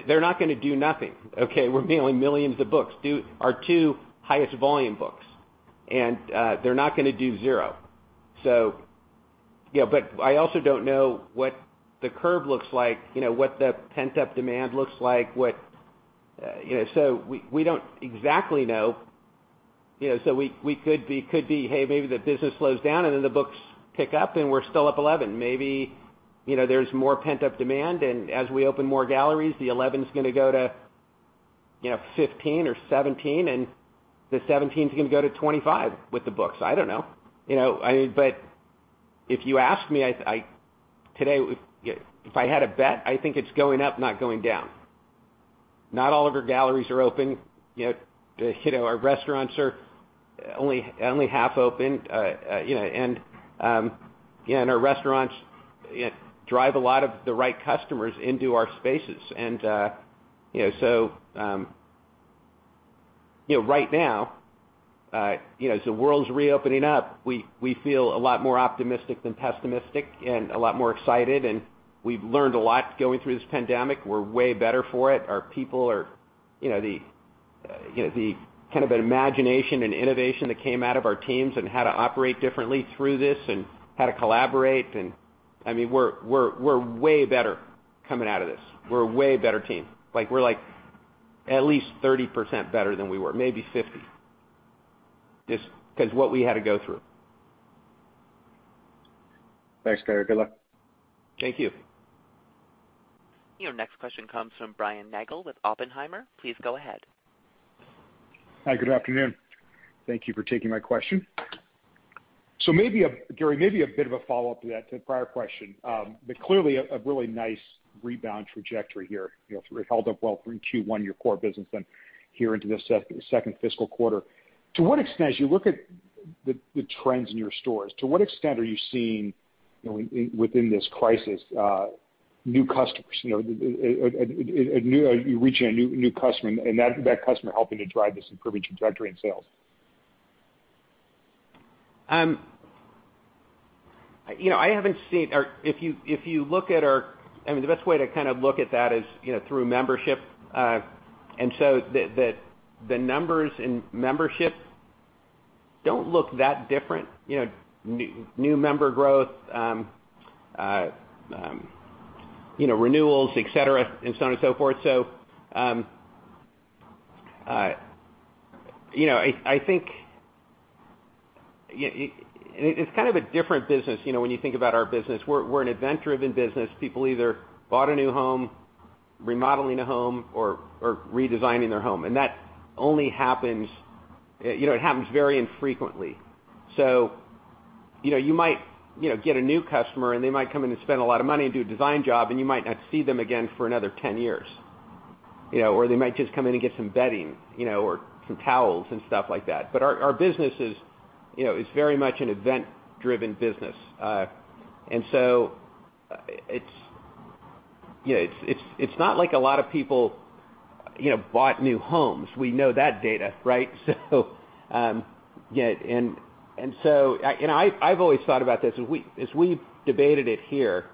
they're not going to do nothing. Okay? We're mailing millions of books, our two highest volume books, and they're not going to do zero. I also don't know what the curve looks like, what the pent-up demand looks like. We don't exactly know. We could be, hey, maybe the business slows down and then the books pick up and we're still up 11%. Maybe there's more pent-up demand, and as we open more galleries, the 11%'s going to go to 15% or 17%, and the 17%'s going to go to 25% with the books. I don't know. If you asked me today, if I had to bet, I think it's going up, not going down. Not all of our galleries are open. Our restaurants are only half open. Our restaurants drive a lot of the right customers into our spaces. Right now, as the world's reopening up, we feel a lot more optimistic than pessimistic and a lot more excited, and we've learned a lot going through this pandemic. We're way better for it. The kind of imagination and innovation that came out of our teams and how to operate differently through this and how to collaborate, and we're way better coming out of this. We're a way better team. We're at least 30% better than we were, maybe 50%, just because what we had to go through. Thanks, Gary. Good luck. Thank you. Your next question comes from Brian Nagel with Oppenheimer. Please go ahead. Hi, good afternoon. Thank you for taking my question. Gary, maybe a bit of a follow-up to that prior question. Clearly, a really nice rebound trajectory here. It held up well through Q1, your core business, and here into the second fiscal quarter. As you look at the trends in your stores, to what extent are you seeing within this crisis new customers, reaching a new customer and that customer helping to drive this improving trajectory in sales? The best way to kind of look at that is through membership. The numbers in membership don't look that different. New member growth, renewals, et cetera, and so on and so forth. I think it's kind of a different business when you think about our business. We're an event-driven business. People either bought a new home, remodeling a home, or redesigning their home, and that only happens very infrequently. You might get a new customer, and they might come in and spend a lot of money and do a design job, and you might not see them again for another 10 years. They might just come in and get some bedding or some towels and stuff like that. Our business is very much an event-driven business. It's not like a lot of people bought new homes. We know that data, right? I've always thought about this as we've debated it here.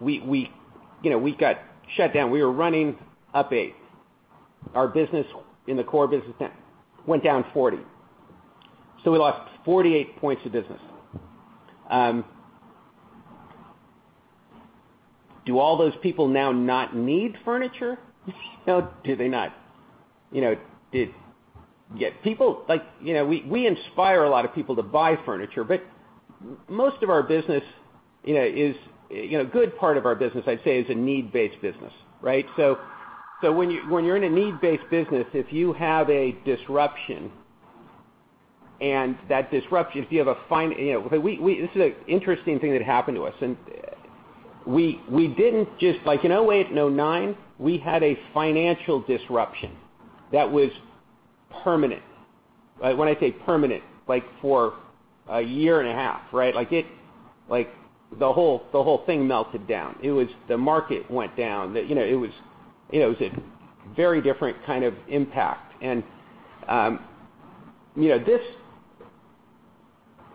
We got shut down. We were running up eight. Our business in the core business went down 40. We lost 48 points of business. Do all those people now not need furniture? We inspire a lot of people to buy furniture, most of our business, a good part of our business, I'd say, is a need-based business, right? When you're in a need-based business, if you have a disruption and this is an interesting thing that happened to us. We did in just like 2008 and 2009, we had a financial disruption that was permanent. When I say permanent, like for a 1.5 year, right? The whole thing melted down. The market went down. It was a very different kind of impact.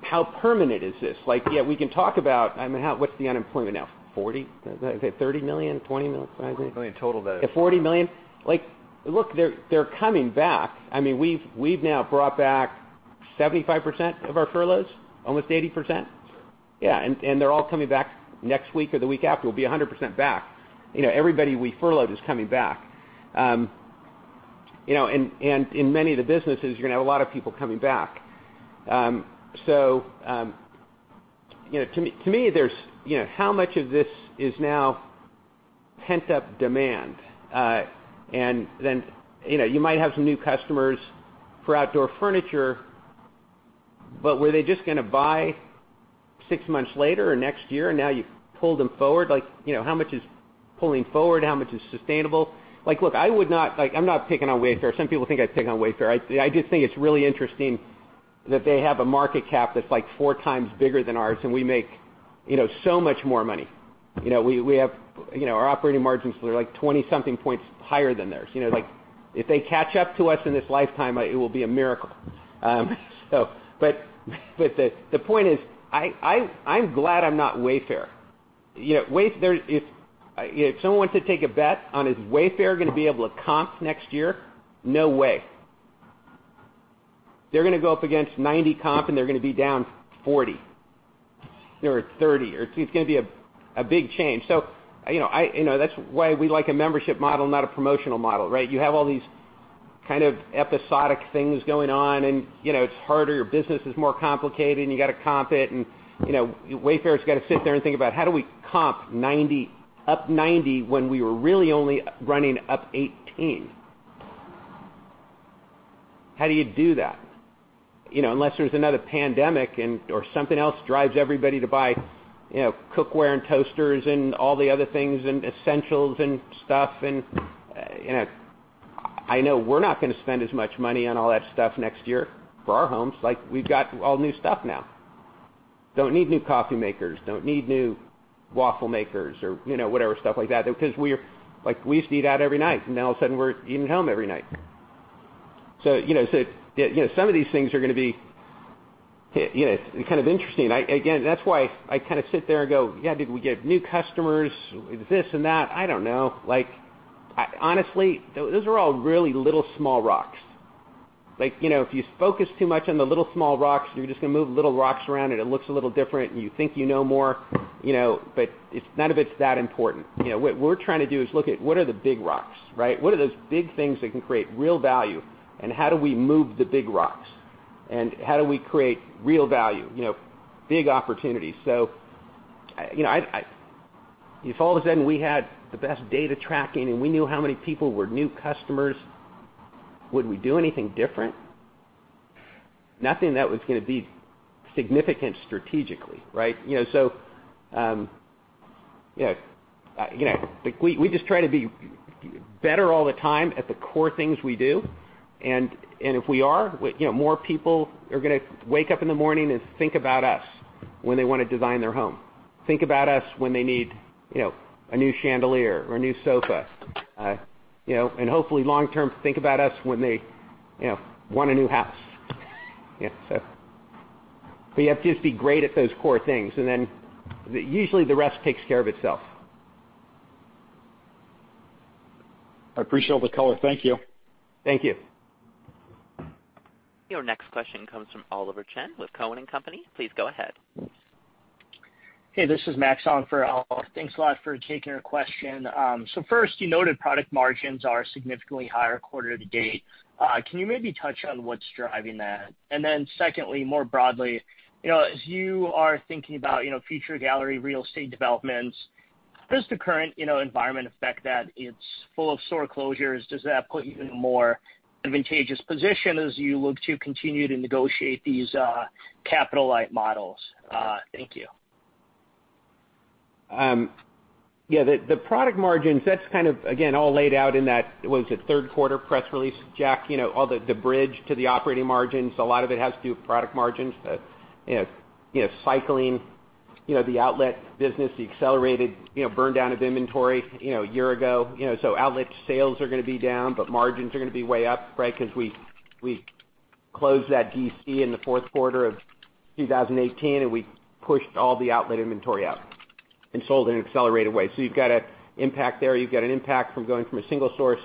How permanent is this? We can talk about, what's the unemployment now? 40 million? Is it 30 million? 20 million? 50 million? 40 million total. 40 million. Look, they're coming back. We've now brought back 75% of our furloughs, almost 80%. Yeah. They're all coming back next week or the week after. We'll be 100% back. Everybody we furloughed is coming back. In many of the businesses, you're going to have a lot of people coming back. To me, how much of this is now pent-up demand? You might have some new customers for outdoor furniture, but were they just going to buy six months later or next year, and now you've pulled them forward? How much is pulling forward? How much is sustainable? Look, I'm not picking on Wayfair. Some people think I'm picking on Wayfair. I just think it's really interesting that they have a market cap that's 4x bigger than ours, and we make so much more money. Our operating margins are like 20-something points higher than theirs. If they catch up to us in this lifetime, it will be a miracle. The point is, I'm glad I'm not Wayfair. If someone wants to take a bet on, is Wayfair going to be able to comp next year? No way. They're going to go up against 90 comp and they're going to be down 40 or 30, or it's going to be a big change. That's why we like a membership model, not a promotional model, right? You have all these kind of episodic things going on, and it's harder. Your business is more complicated, and you've got to comp it. Wayfair's got to sit there and think about, how do we comp up 90 when we were really only running up 18? How do you do that? Unless there's another pandemic or something else drives everybody to buy cookware and toasters and all the other things, and essentials and stuff. I know we're not going to spend as much money on all that stuff next year for our homes. We've got all new stuff now. Don't need new coffee makers, don't need new waffle makers or whatever, stuff like that. We used to eat out every night, and now all of a sudden we're eating at home every night. Some of these things are going to be kind of interesting. Again, that's why I kind of sit there and go, "Yeah, did we get new customers? This and that." I don't know. Honestly, those are all really little, small rocks. If you focus too much on the little, small rocks, you're just going to move little rocks around, and it looks a little different, and you think you know more. None of it's that important. What we're trying to do is look at, what are the big rocks, right? What are those big things that can create real value, and how do we move the big rocks? How do we create real value, big opportunities? If all of a sudden we had the best data tracking and we knew how many people were new customers, would we do anything different? Nothing that was going to be significant strategically, right? We just try to be better all the time at the core things we do. If we are, more people are going to wake up in the morning and think about us when they want to design their home. Think about us when they need a new chandelier or a new sofa. Hopefully long term, think about us when they want a new house. You have to just be great at those core things, and then usually the rest takes care of itself. I appreciate all the color. Thank you. Thank you. Your next question comes from Oliver Chen with Cowen and Company. Please go ahead. Hey, this is Max on for Oliver. Thanks a lot for taking our question. First, you noted product margins are significantly higher quarter to date. Can you maybe touch on what's driving that? Secondly, more broadly, as you are thinking about future gallery real estate developments, does the current environment affect that? It's full of store closures. Does that put you in a more advantageous position as you look to continue to negotiate these capital-light models? Thank you. The product margins, that's kind of, again, all laid out in that, was it third quarter press release, Jack? The bridge to the operating margins. A lot of it has to do with product margins, cycling the outlet business, the accelerated burn down of inventory a year ago. Outlet sales are going to be down, but margins are going to be way up, right? We closed that DC in the fourth quarter of 2018, and we pushed all the outlet inventory out and sold in an accelerated way. You've got an impact there. You've got an impact from going from a single source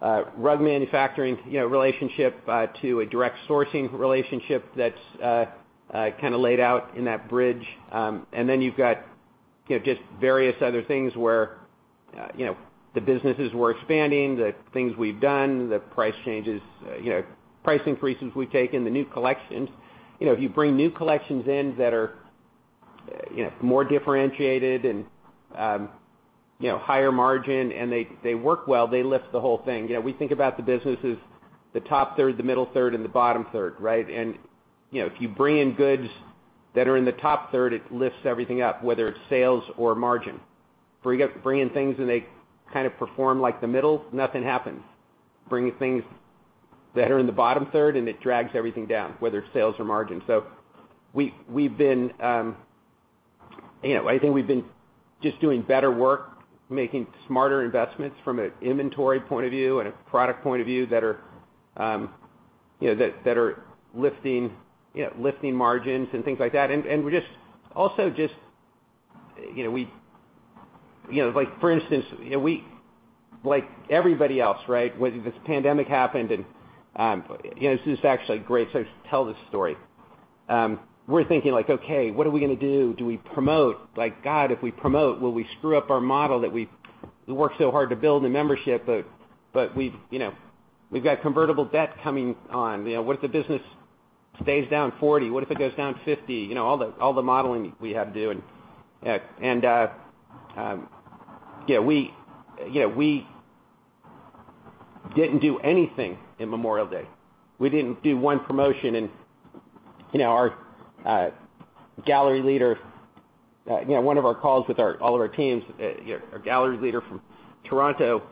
rug manufacturing relationship to a direct sourcing relationship that's kind of laid out in that bridge. You've got just various other things where the businesses we're expanding, the things we've done, the price changes, pricing increases we've taken, the new collections. You bring new collections in that are more differentiated and higher margin and they work well, they lift the whole thing. We think about the business as the top third, the middle third, and the bottom third, right? If you bring in goods that are in the top third, it lifts everything up, whether it's sales or margin. Bring in things and they kind of perform like the middle, nothing happens. Bring things that are in the bottom third and it drags everything down, whether it's sales or margin. I think we've been just doing better work, making smarter investments from an inventory point of view and a product point of view that are lifting margins and things like that. Also just, for instance, like everybody else, right? This pandemic happened, and this is actually great, so I should tell this story. We're thinking like, "Okay, what are we going to do? Do we promote? God, if we promote, will we screw up our model that we worked so hard to build the membership, but we've got convertible debt coming on." What if the business stays down 40%? What if it goes down 50%? All the modeling we have due. We didn't do anything in Memorial Day. We didn't do one promotion and our gallery leader, one of our calls with all of our teams, our gallery leader from Toronto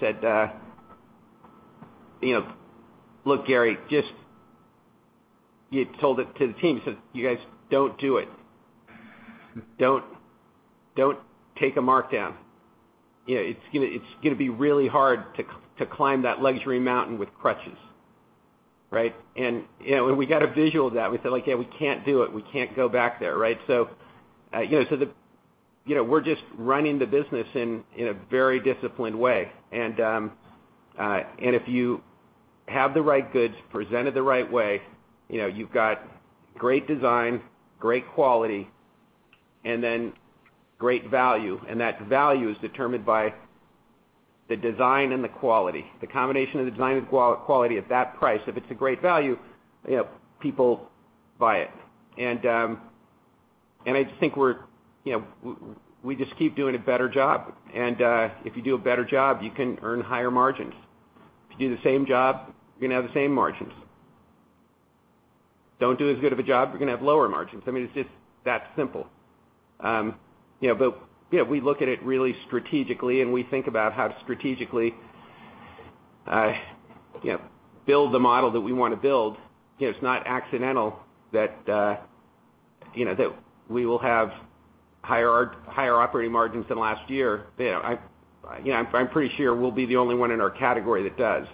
said, "Look, Gary," he had told it to the team. He said, "You guys, don't do it. Don't take a markdown. It's going to be really hard to climb that luxury mountain with crutches." Right? We got a visual of that. We said, "Yeah, we can't do it. We can't go back there." Right? We're just running the business in a very disciplined way. If you have the right goods presented the right way, you've got great design, great quality, and then great value. That value is determined by the design and the quality. The combination of the design and quality at that price, if it's a great value, people buy it. I just think we just keep doing a better job. If you do a better job, you can earn higher margins. If you do the same job, you're going to have the same margins. Don't do as good of a job, you're going to have lower margins. I mean, it's just that simple. We look at it really strategically, and we think about how to strategically build the model that we want to build. It's not accidental that we will have higher operating margins than last year. I'm pretty sure we'll be the only one in our category that does.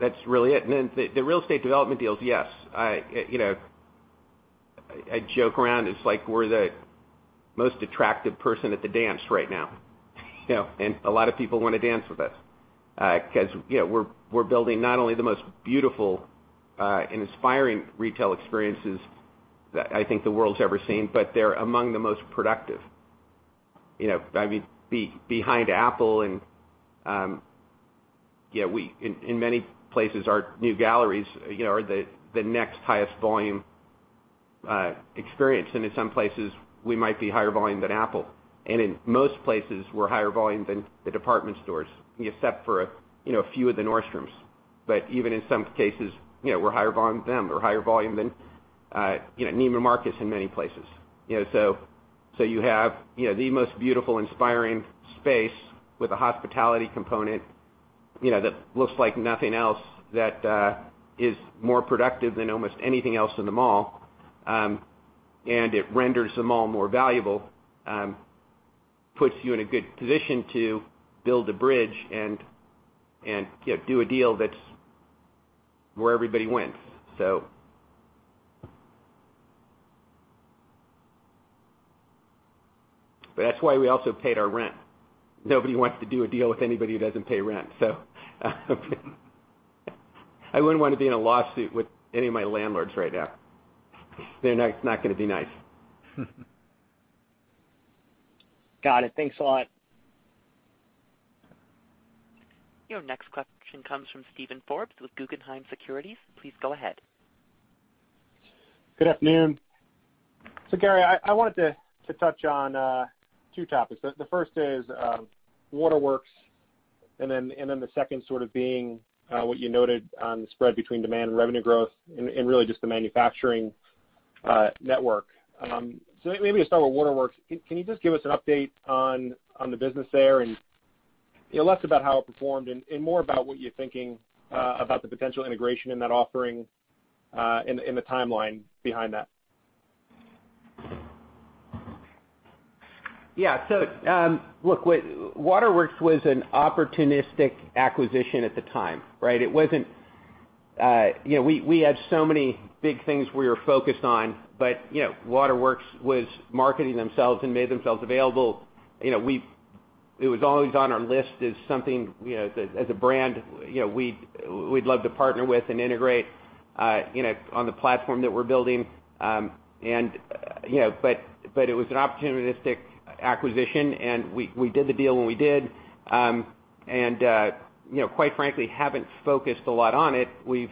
That's really it. The real estate development deals, yes. I joke around, it's like we're the most attractive person at the dance right now. A lot of people want to dance with us. Because we're building not only the most beautiful and inspiring retail experiences that I think the world's ever seen, but they're among the most productive. Behind Apple and, in many places, our new galleries are the next highest volume experience. In some places, we might be higher volume than Apple. In most places, we're higher volume than the department stores, except for a few of the Nordstroms. Even in some cases, we're higher volume than them or higher volume than Neiman Marcus in many places. You have the most beautiful, inspiring space with a hospitality component that looks like nothing else, that is more productive than almost anything else in the mall. It renders the mall more valuable, puts you in a good position to build a bridge and do a deal that's where everybody wins. That's why we also paid our rent. Nobody wants to do a deal with anybody who doesn't pay rent. I wouldn't want to be in a lawsuit with any of my landlords right now. It's not going to be nice. Got it. Thanks a lot. Your next question comes from Steven Forbes with Guggenheim Securities. Please go ahead. Good afternoon. Gary, I wanted to touch on two topics. The first is Waterworks and then the second sort of being what you noted on the spread between demand and revenue growth and really just the manufacturing network. Maybe let's start with Waterworks. Can you just give us an update on the business there and less about how it performed and more about what you're thinking about the potential integration in that offering, and the timeline behind that? Yeah. Look, Waterworks was an opportunistic acquisition at the time, right? We had so many big things we were focused on, but Waterworks was marketing themselves and made themselves available. It was always on our list as something as a brand we'd love to partner with and integrate on the platform that we're building. But it was an opportunistic acquisition, and we did the deal when we did. Quite frankly, haven't focused a lot on it. We've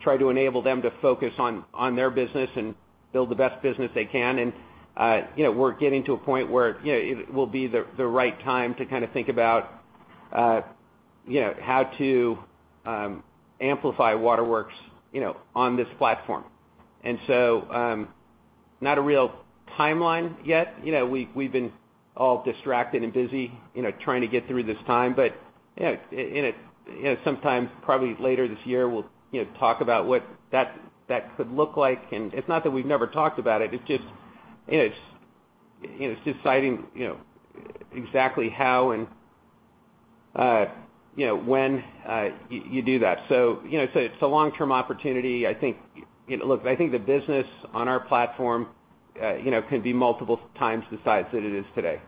tried to enable them to focus on their business and build the best business they can. We're getting to a point where it will be the right time to kind of think about how to amplify Waterworks on this platform. Not a real timeline yet. We've been all distracted and busy trying to get through this time. Sometimes, probably later this year, we'll talk about what that could look like. It's not that we've never talked about it's just deciding exactly how and when you do that. It's a long-term opportunity. Look, I think the business on our platform could be multiple times the size that it is today.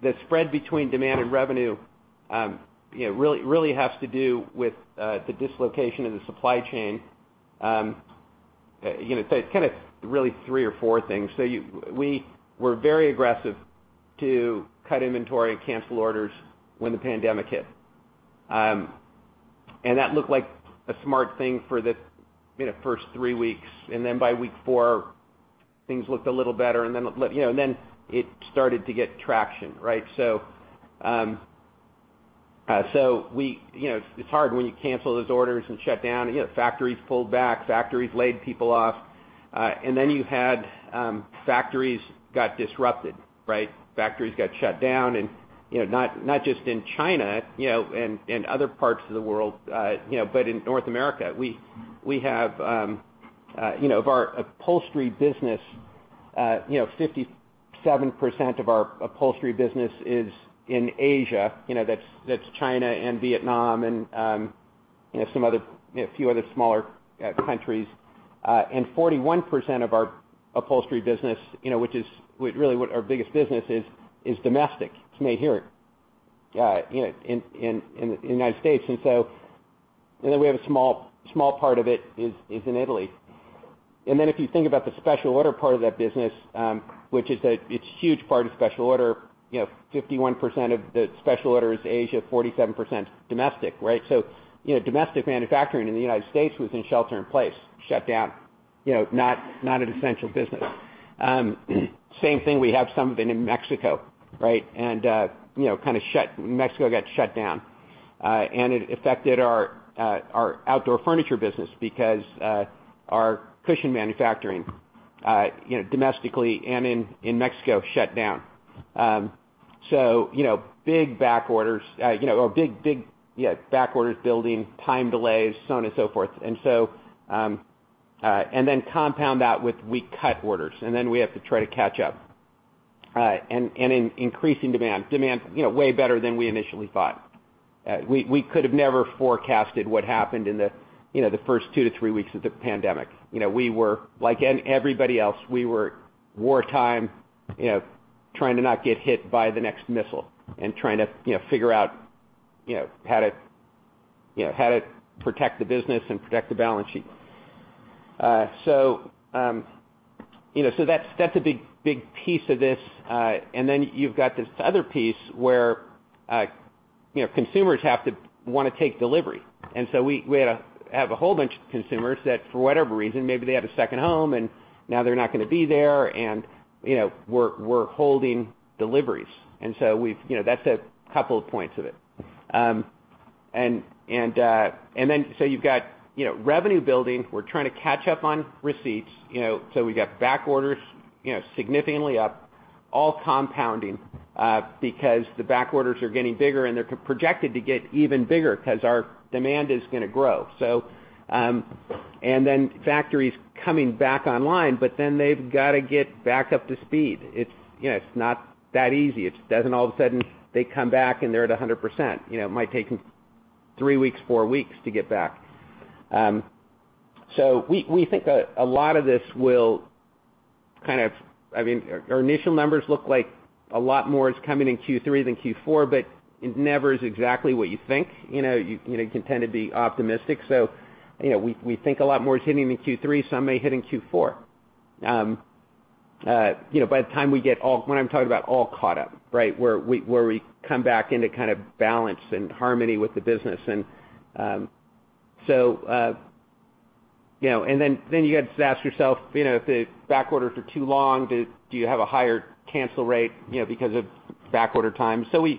The spread between demand and revenue really has to do with the dislocation of the supply chain. It's kind of really three or four things. We were very aggressive to cut inventory and cancel orders when the pandemic hit. That looked like a smart thing for the first three weeks, then by week four, things looked a little better, then it started to get traction, right? It's hard when you cancel those orders and shut down. Factories pulled back. Factories laid people off. Then you had factories got disrupted, right? Factories got shut down and not just in China and other parts of the world, but in North America. Of our upholstery business, 57% of our upholstery business is in Asia. That's China and Vietnam and a few other smaller countries. 41% of our upholstery business, which is really what our biggest business is domestic. It's made here in the United States. We have a small part of it is in Italy. If you think about the special order part of that business, which it's huge part of special order, 51% of the special order is Asia, 47% domestic, right? Domestic manufacturing in the United States was in shelter in place, shut down, not an essential business. Same thing, we have some of it in Mexico, right? Mexico got shut down. It affected our outdoor furniture business because our cushion manufacturing domestically and in Mexico shut down. Big back orders building, time delays, so on and so forth. Then compound that with we cut orders, and then we have to try to catch up. In increasing demand. Demand way better than we initially thought. We could have never forecasted what happened in the first two to three weeks of the pandemic. Like everybody else, we were wartime, trying to not get hit by the next missile and trying to figure out how to protect the business and protect the balance sheet. That's a big piece of this. Then you've got this other piece where consumers have to want to take delivery. We have a whole bunch of consumers that, for whatever reason, maybe they have a second home and now they're not going to be there, and we're holding deliveries. That's a couple of points of it. You've got revenue building. We're trying to catch up on receipts. We got back orders significantly up, all compounding, because the back orders are getting bigger, and they're projected to get even bigger because our demand is going to grow. Factories coming back online, but then they've got to get back up to speed. It's not that easy. It doesn't all of a sudden, they come back, and they're at 100%. It might take them three weeks, four weeks to get back. We think a lot of this will. Our initial numbers look like a lot more is coming in Q3 than Q4. It never is exactly what you think. You can tend to be optimistic. We think a lot more is hitting in Q3, some may hit in Q4. By the time we get all caught up, right, where we come back into kind of balance and harmony with the business. Then you have to ask yourself, if the back orders are too long, do you have a higher cancel rate because of back order time? We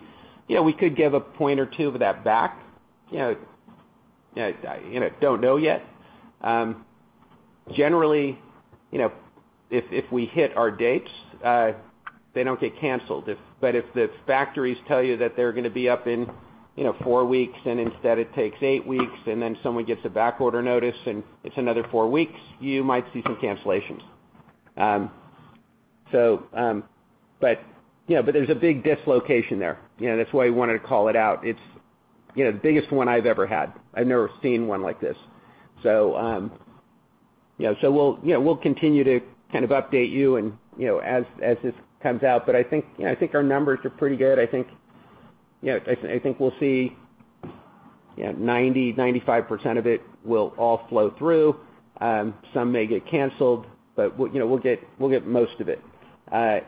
could give a point or two of that back. Don't know yet. Generally, if we hit our dates, they don't get canceled. If the factories tell you that they're going to be up in four weeks and instead it takes eight weeks and then someone gets a back order notice and it's another four weeks, you might see some cancellations. There's a big dislocation there. That's why I wanted to call it out. It's the biggest one I've ever had. I've never seen one like this. We'll continue to kind of update you and as this comes out, but I think our numbers are pretty good. I think we'll see 90%, 95% of it will all flow through. Some may get canceled, but we'll get most of it. I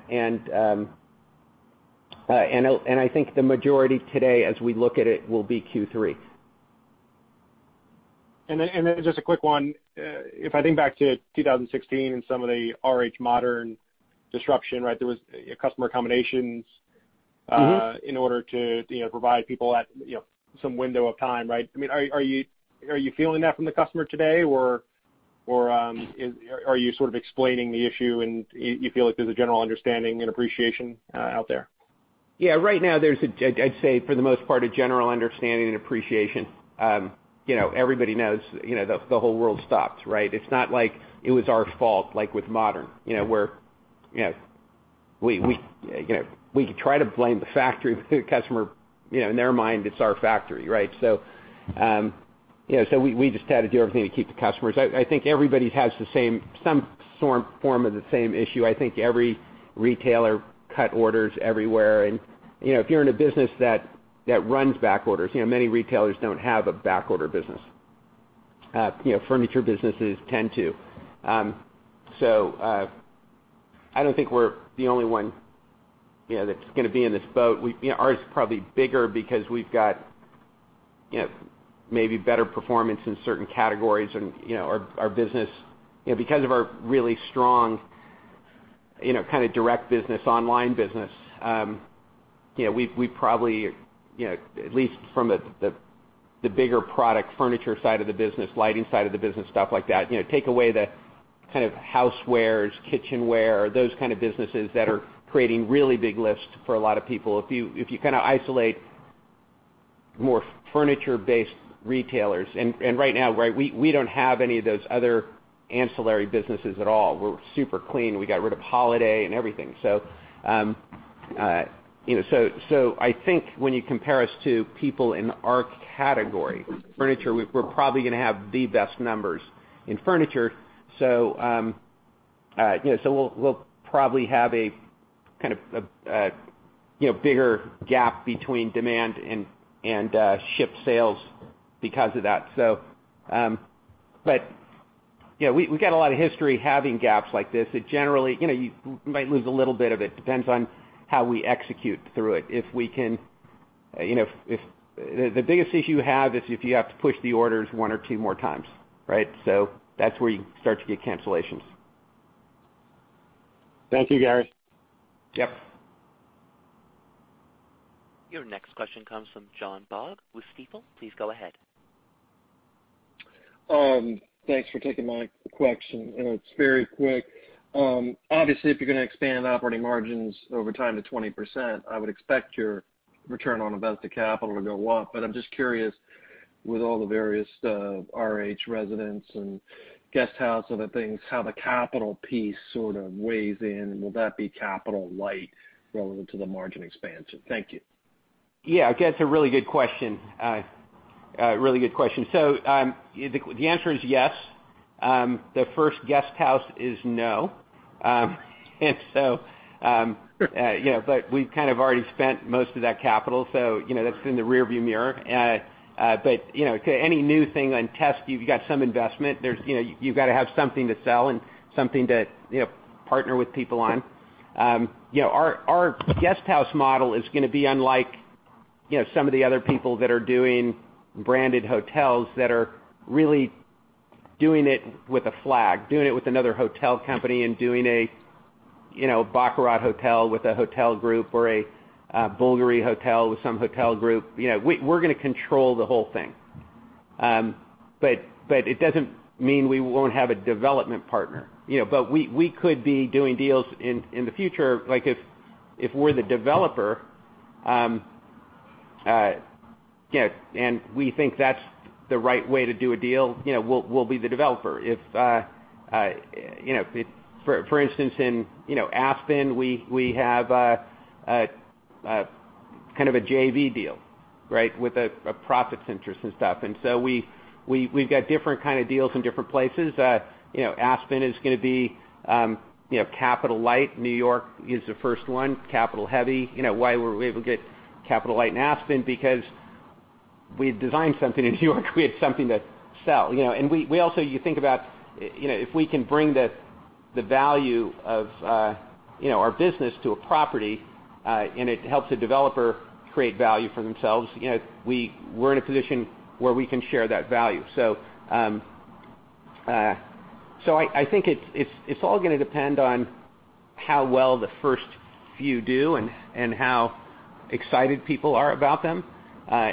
think the majority today, as we look at it, will be Q3. Just a quick one. If I think back to 2016 and some of the RH Modern disruption, right, there was customer accommodations. In order to provide people some window of time, right? Are you feeling that from the customer today? Or are you sort of explaining the issue, and you feel like there's a general understanding and appreciation out there? Yeah, right now there's, I'd say for the most part, a general understanding and appreciation. Everybody knows the whole world stops, right? It's not like it was our fault, like with RH Modern, where we could try to blame the factory, but the customer, in their mind, it's our factory, right? We just had to do everything to keep the customers. I think everybody has some form of the same issue. I think every retailer cut orders everywhere. If you're in a business that runs back orders, many retailers don't have a back order business. Furniture businesses tend to. I don't think we're the only one that's going to be in this boat. Ours is probably bigger because we've got maybe better performance in certain categories and our business, because of our really strong kind of direct business, online business. We probably, at least from the bigger product furniture side of the business, lighting side of the business, stuff like that, take away the kind of housewares, kitchenware, those kind of businesses that are creating really big lifts for a lot of people. If you kind of isolate more furniture-based retailers, right now, we don't have any of those other ancillary businesses at all. We're super clean. We got rid of holiday and everything. I think when you compare us to people in our category, furniture, we're probably going to have the best numbers in furniture. We'll probably have a kind of a bigger gap between demand and shipped sales because of that. We've got a lot of history having gaps like this. It generally, you might lose a little bit of it, depends on how we execute through it. The biggest issue you have is if you have to push the orders one or two more times, right? That's where you start to get cancellations. Thank you, Gary. Yep. Your next question comes from John Baugh with Stifel. Please go ahead. Thanks for taking my question. It's very quick. Obviously, if you're going to expand operating margins over time to 20%, I would expect your return on invested capital to go up. I'm just curious, with all the various RH Residences and RH Guesthouse, other things, how the capital piece sort of weighs in. Will that be capital-light relevant to the margin expansion? Thank you. Yeah, I guess a really good question. The answer is yes. The first RH Guesthouse is no. We've kind of already spent most of that capital, so that's in the rear view mirror. To any new thing on test, you've got some investment. You've got to have something to sell and something to partner with people on. Our RH Guesthouse model is going to be unlike some of the other people that are doing branded hotels that are really doing it with a flag, doing it with another hotel company and doing a Baccarat Hotel with a hotel group or a Bulgari Hotel with some hotel group. We're going to control the whole thing. It doesn't mean we won't have a development partner. We could be doing deals in the future, like if we're the developer and we think that's the right way to do a deal, we'll be the developer. For instance, in Aspen, we have kind of a JV deal with a profits interest and stuff. We've got different kind of deals in different places. Aspen is going to be capital light. New York is the first one, capital heavy. Why were we able to get capital light in Aspen? Because we had designed something in New York, we had something to sell. We also think about if we can bring the value of our business to a property and it helps the developer create value for themselves, we're in a position where we can share that value. I think it's all going to depend on how well the first few do and how excited people are about them. I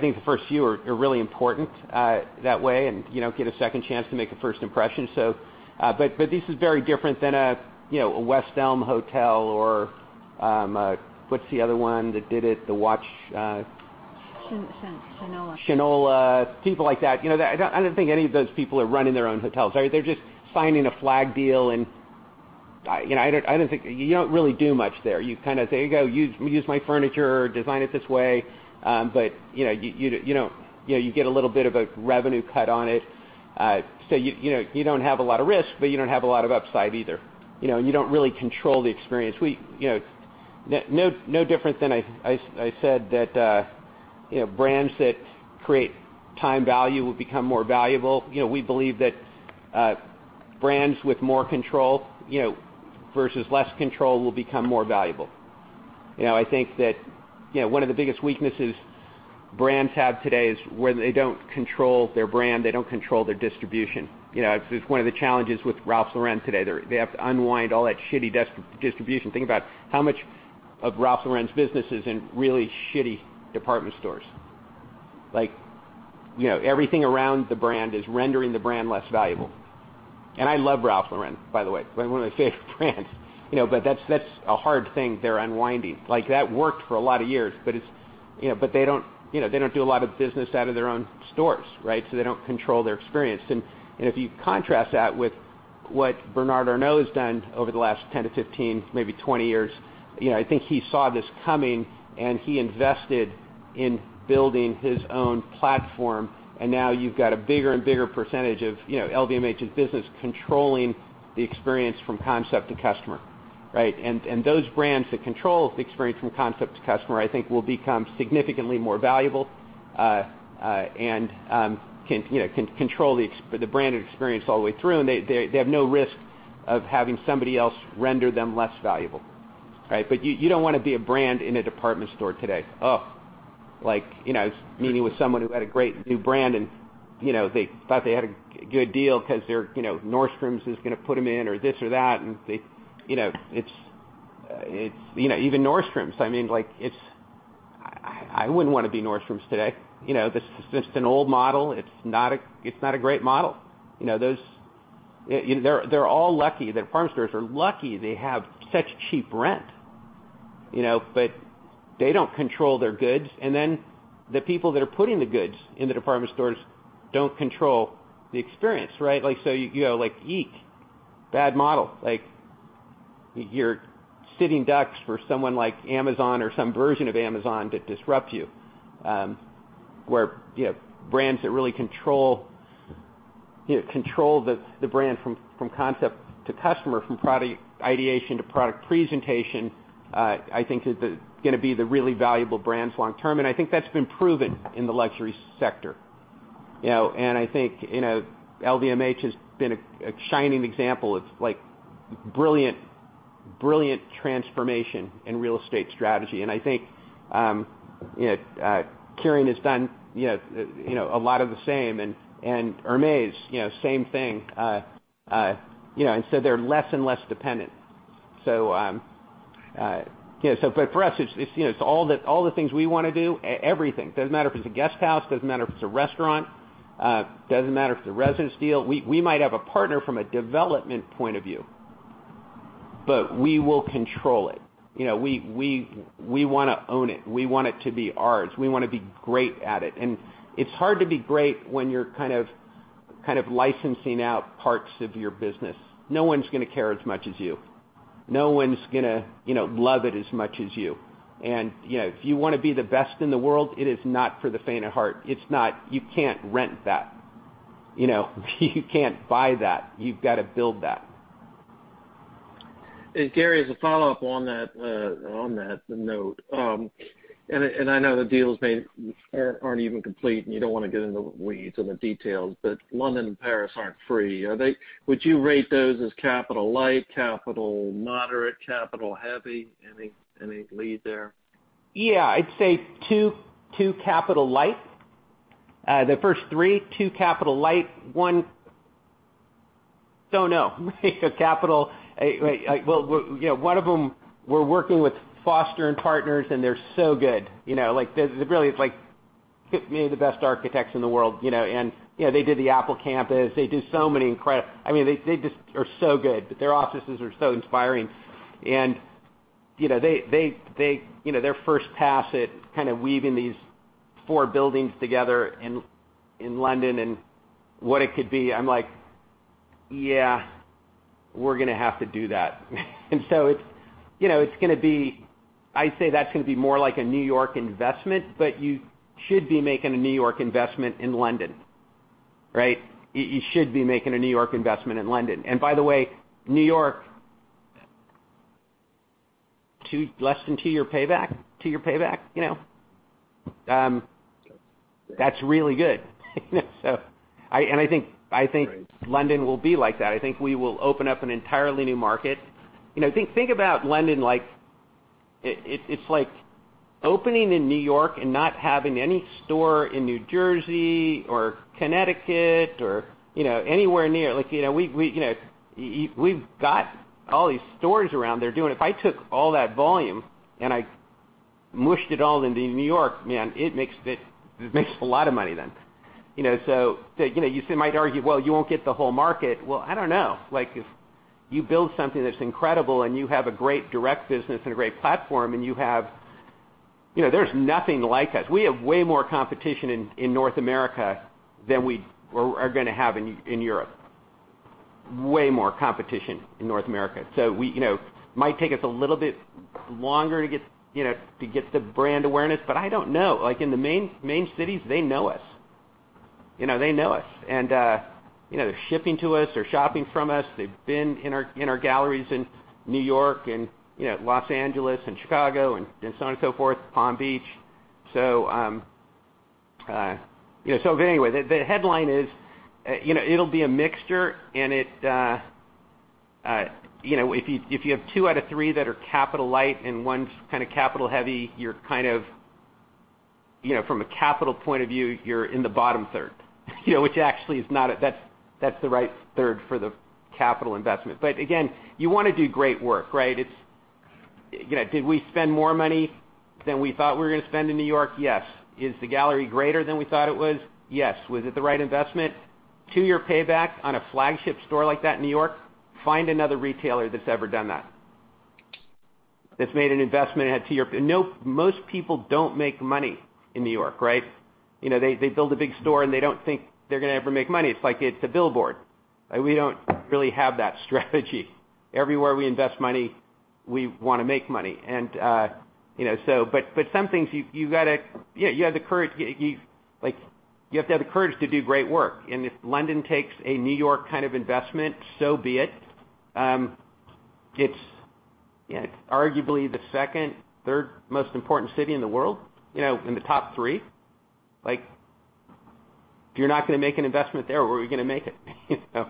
think the first few are really important that way, and get a second chance to make a first impression. This is very different than a West Elm hotel or what's the other one that did it? The watch-- Shinola. Shinola, people like that. I don't think any of those people are running their own hotels. They're just signing a flag deal, and I don't think you don't really do much there. You kind of say, "Go use my furniture, design it this way." You get a little bit of a revenue cut on it. You don't have a lot of risk, but you don't have a lot of upside either. You don't really control the experience. No different than I said that brands that create time value will become more valuable. We believe that brands with more control versus less control will become more valuable. I think that one of the biggest weaknesses brands have today is when they don't control their brand, they don't control their distribution. It's one of the challenges with Ralph Lauren today. They have to unwind all that shitty distribution. Think about how much of Ralph Lauren's business is in really shitty department stores. Like everything around the brand is rendering the brand less valuable. I love Ralph Lauren, by the way. One of my favorite brands. That's a hard thing they're unwinding. Like that worked for a lot of years, but they don't do a lot of business out of their own stores, right? They don't control their experience. If you contrast that with what Bernard Arnault has done over the last 10 to 15, maybe 20 years, I think he saw this coming, and he invested in building his own platform. Now you've got a bigger and bigger percentage of LVMH's business controlling the experience from concept to customer, right? Those brands that control the experience from concept to customer, I think will become significantly more valuable, and can control the branded experience all the way through. They have no risk of having somebody else render them less valuable. Right? You don't want to be a brand in a department store today. I was meeting with someone who had a great new brand, and they thought they had a good deal because Nordstrom is going to put them in or this or that. Even Nordstrom, I wouldn't want to be Nordstrom today. It's just an old model. It's not a great model. Department stores are lucky they have such cheap rent. They don't control their goods, and then the people that are putting the goods in the department stores don't control the experience, right? You go like, eek, bad model. You're sitting ducks for someone like Amazon or some version of Amazon to disrupt you. Brands that really control the brand from concept to customer, from product ideation to product presentation, I think is going to be the really valuable brands long term. I think that's been proven in the luxury sector. I think LVMH has been a shining example of brilliant transformation in real estate strategy. I think Kering has done a lot of the same, and Hermès, same thing. They're less and less dependent. For us, it's all the things we want to do, everything. Doesn't matter if it's a guest house, doesn't matter if it's a restaurant, doesn't matter if it's a residence deal. We might have a partner from a development point of view, but we will control it. We want to own it. We want it to be ours. We want to be great at it. It's hard to be great when you're kind of licensing out parts of your business. No one's going to care as much as you. No one's going to love it as much as you. If you want to be the best in the world, it is not for the faint of heart. You can't rent that. You can't buy that. You've got to build that. Gary, as a follow-up on that note, and I know the deals made aren't even complete, and you don't want to get into the weeds or the details, but London and Paris aren't free, are they? Would you rate those as capital light, capital moderate, capital heavy? Any lead there? Yeah, I'd say two capital light. The first three, two capital light, one don't know. One of them we're working with Foster + Partners, and they're so good. Really, it's like maybe the best architects in the world. They did the Apple campus. They just are so good. Their offices are so inspiring. Their first pass at kind of weaving these four buildings together in London and what it could be, I'm like, "Yeah, we're going to have to do that." I'd say that's going to be more like a New York investment, but you should be making a New York investment in London, right? You should be making a New York investment in London. By the way, New York, less than two-year payback. That's really good. London will be like that. I think we will open up an entirely new market. Think about London, it's like opening in New York and not having any store in New Jersey or Connecticut or anywhere near. We've got all these stores around there. If I took all that volume and I mushed it all into New York, man, it makes a lot of money then. You might argue, "Well, you won't get the whole market." Well, I don't know. If you build something that's incredible and you have a great direct business and a great platform, there's nothing like us. We have way more competition in North America than we are going to have in Europe. Way more competition in North America. Might take us a little bit longer to get the brand awareness, but I don't know. In the main cities, they know us. They know us. They're shipping to us, they're shopping from us, they've been in our galleries in New York and Los Angeles and Chicago and so on and so forth, Palm Beach. Anyway, the headline is, it'll be a mixture and if you have two out of three that are capital light and one's kind of capital heavy, from a capital point of view, you're in the bottom third. Actually, that's the right third for the capital investment. Again, you want to do great work, right? Did we spend more money than we thought we were going to spend in New York? Yes. Is the gallery greater than we thought it was? Yes. Was it the right investment? Two-year payback on a flagship store like that in New York? Find another retailer that's ever done that. That's made an investment in New York. Most people don't make money in New York. They build a big store, and they don't think they're going to ever make money. It's like it's a billboard. We don't really have that strategy. Everywhere we invest money, we want to make money. Some things, you have to have the courage to do great work. If London takes a New York kind of investment, so be it. It's arguably the second, third most important city in the world, in the top three. If you're not going to make an investment there, where are we going to make it?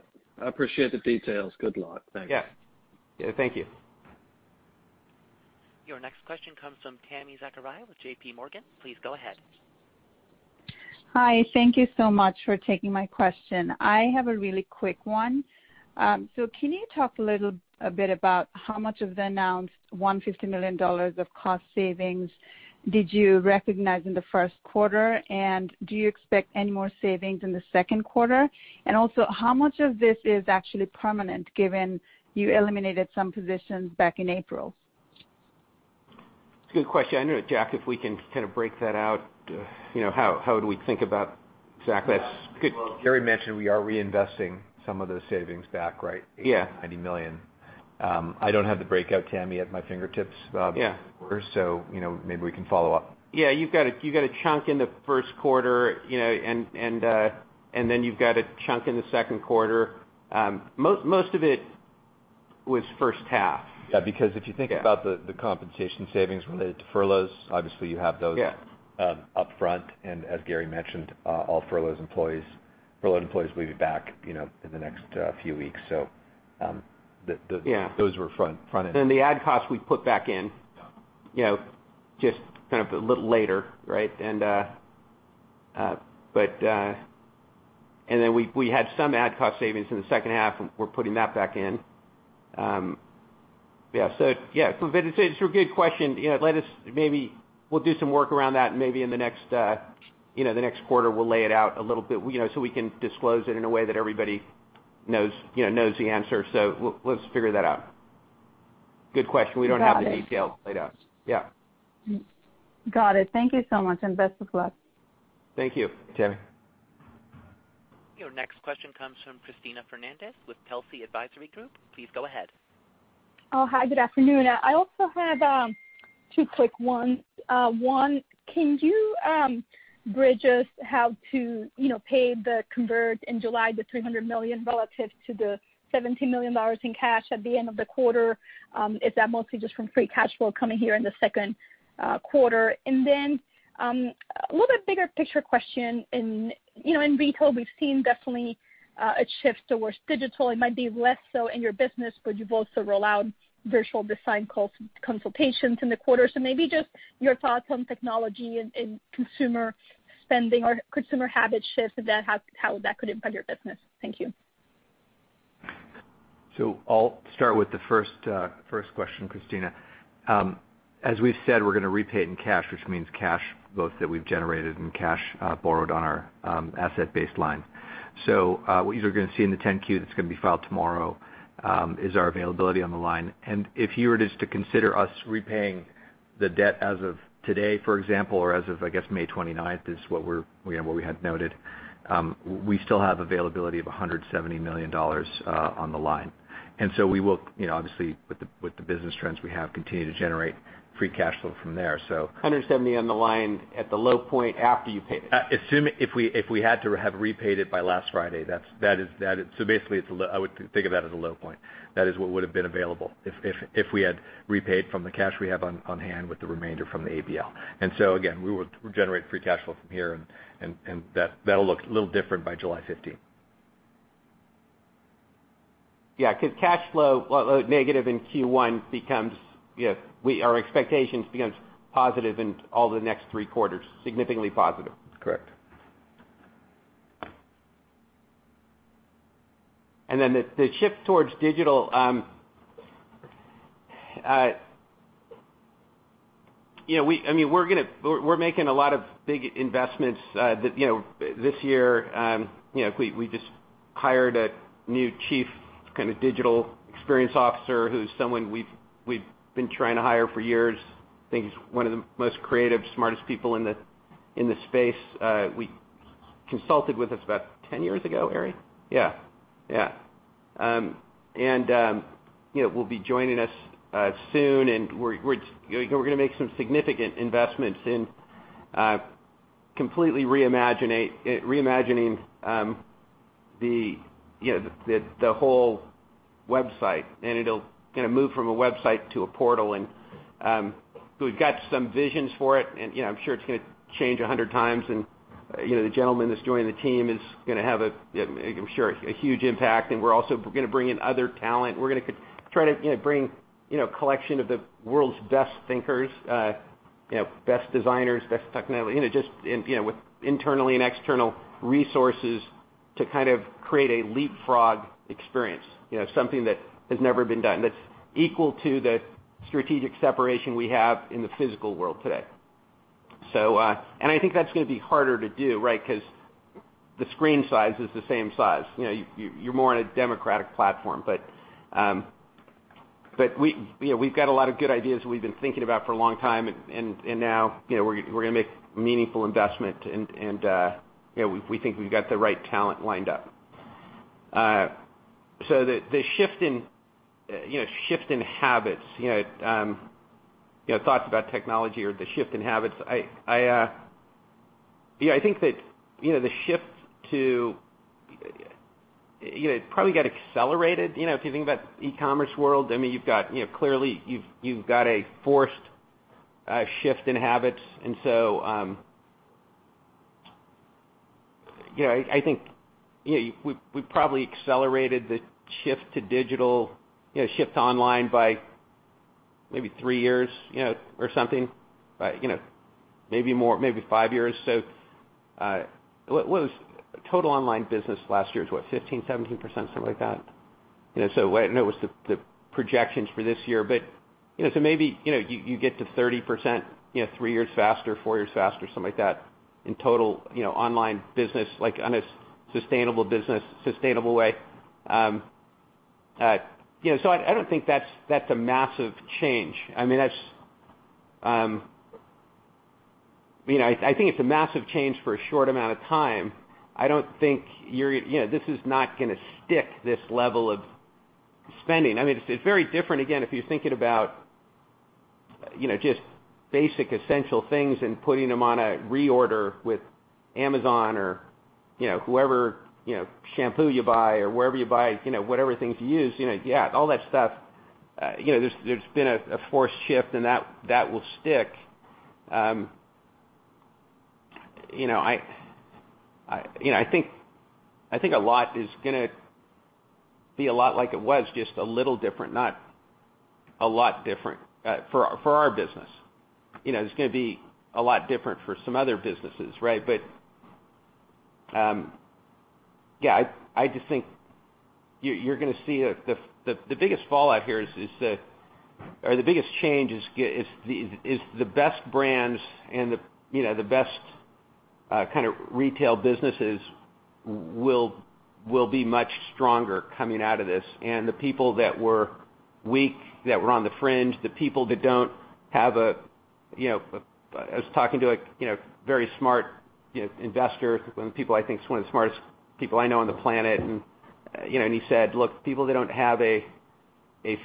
I appreciate the details. Good luck. Thanks. Yeah. Thank you. Your next question comes from Tami Zakaria with J.P. Morgan. Please go ahead. Hi. Thank you so much for taking my question. I have a really quick one. Can you talk a little bit about how much of the announced $150 million of cost savings did you recognize in the first quarter, and do you expect any more savings in the second quarter? Also, how much of this is actually permanent, given you eliminated some positions back in April? It's a good question. I don't know, Jack, if we can kind of break that out. Jack, that's good. Gary mentioned we are reinvesting some of those savings back, right? Yeah. $90 million. I don't have the breakout, Tami, at my fingertips. Maybe we can follow up. Yeah, you've got a chunk in the first quarter, and then you've got a chunk in the second quarter. Most of it was first half. Yeah, because if you think about the compensation savings related to furloughs, obviously you have those up front, as Gary mentioned, all furloughed employees will be back in the next few weeks. Those were front end. The ad costs, we put back in. Just kind of a little later. We had some ad cost savings in the second half, and we're putting that back in. Yeah. It's a good question. Maybe we'll do some work around that and maybe in the next quarter, we'll lay it out a little bit so we can disclose it in a way that everybody knows the answer. Let's figure that out. Good question. We don't have the details laid out. Yeah. Got it. Thank you so much, and best of luck. Thank you, Tami. Your next question comes from Cristina Fernández with Telsey Advisory Group. Please go ahead. Oh, hi. Good afternoon. I also have two quick ones. One, can you bridge us how to pay the convertible debt in July, the $300 million relative to the $70 million in cash at the end of the quarter? Is that mostly just from free cash flow coming here in the second quarter? A little bit bigger picture question. In retail, we've seen definitely a shift towards digital. It might be less so in your business, but you've also rolled out virtual design consultations in the quarter. Maybe just your thoughts on technology and consumer spending or consumer habit shifts and how that could impact your business. Thank you. I'll start with the first question, Cristina. As we've said, we're going to repay it in cash, which means cash, both that we've generated and cash borrowed on our asset-based line. What you're going to see in the 10-Q that's going to be filed tomorrow is our availability on the line. If you were just to consider us repaying the debt as of today, for example, or as of, I guess, May 29th is what we had noted, we still have availability of $170 million on the line. We will, obviously, with the business trends we have, continue to generate free cash flow from there, so. $170 million on the line at the low point after you paid it. If we had to have repaid it by last Friday, basically, I would think of that as a low point. That is what would've been available if we had repaid from the cash we have on hand with the remainder from the ABL. Again, we will generate free cash flow from here, and that'll look a little different by July 15th. Cash flow, negative in Q1 becomes Our expectations becomes positive in all the next three quarters, significantly positive. Correct. The shift towards digital. We're making a lot of big investments. This year, we just hired a new chief digital experience officer who's someone we've been trying to hire for years. I think he's one of the most creative, smartest people in the space. We consulted with us about 10 years ago, right? Yeah. Will be joining us soon, and we're going to make some significant investments in completely reimagining the whole website, and it'll move from a website to a portal. We've got some visions for it, and I'm sure it's going to change 100 times. The gentleman that's joining the team is going to have, I'm sure, a huge impact, and we're also going to bring in other talent. We're going to try to bring collection of the world's best thinkers, best designers, best technology, with internally and external resources to kind of create a leapfrog experience, something that has never been done, that's equal to the strategic separation we have in the physical world today. I think that's going to be harder to do, right? Because the screen size is the same size. You're more on a democratic platform. We've got a lot of good ideas we've been thinking about for a long time, and now we're going to make meaningful investment and we think we've got the right talent lined up. The shift in habits, thoughts about technology or the shift in habits. I think that the shift probably got accelerated. If you think about the e-commerce world, clearly you've got a forced shift in habits. I think we probably accelerated the shift to digital, shift to online by maybe three years, or something. Maybe more, maybe five years. What was total online business last year? It's what, 15%, 17%, something like that? I don't know what's the projections for this year, but so maybe you get to 30%, three years faster, four years faster, something like that in total online business, like on a sustainable business, sustainable way. I don't think that's a massive change. I think it's a massive change for a short amount of time. This is not going to stick, this level of spending. It's very different, again, if you're thinking about just basic essential things and putting them on a reorder with Amazon or whoever, shampoo you buy or wherever you buy whatever things you use. Yeah, all that stuff, there's been a forced shift and that will stick. I think a lot is going to be a lot like it was, just a little different, not a lot different, for our business. It's going to be a lot different for some other businesses, right? Yeah, I just think you're going to see the biggest fallout here or the biggest change is the best brands and the best kind of retail businesses will be much stronger coming out of this. The people that were weak, that were on the fringe, the people that don't have I was talking to a very smart investor, one of the people I think is one of the smartest people I know on the planet. He said, "Look, people that don't have a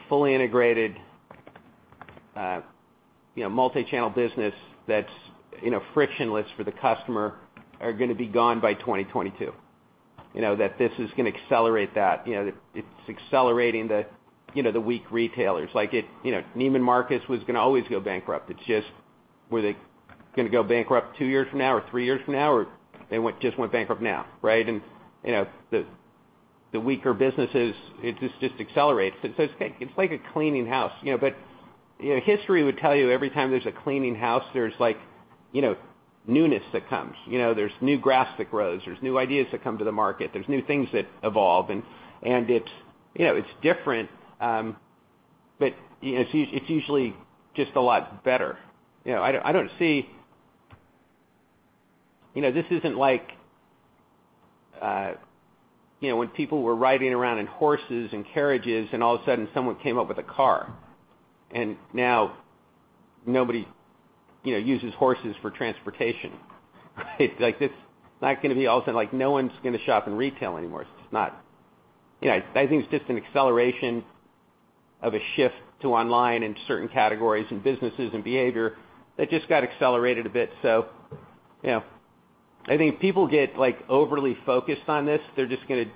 fully integrated multi-channel business that's frictionless for the customer are going to be gone by 2022." This is going to accelerate that. It's accelerating the weak retailers. Neiman Marcus was going to always go bankrupt. It's just, were they going to go bankrupt two years from now or three years from now, or they just went bankrupt now, right? The weaker businesses, it just accelerates. It's like a cleaning house. History would tell you every time there's a cleaning house, there's newness that comes. There's new grass that grows. There's new ideas that come to the market. There's new things that evolve, and it's different. It's usually just a lot better. This isn't like when people were riding around in horses and carriages and all of a sudden someone came up with a car, and now nobody uses horses for transportation, right? It's not going to be all of a sudden, like no one's going to shop in retail anymore. I think it's just an acceleration of a shift to online in certain categories and businesses and behavior that just got accelerated a bit. I think people get overly focused on this. They're just going to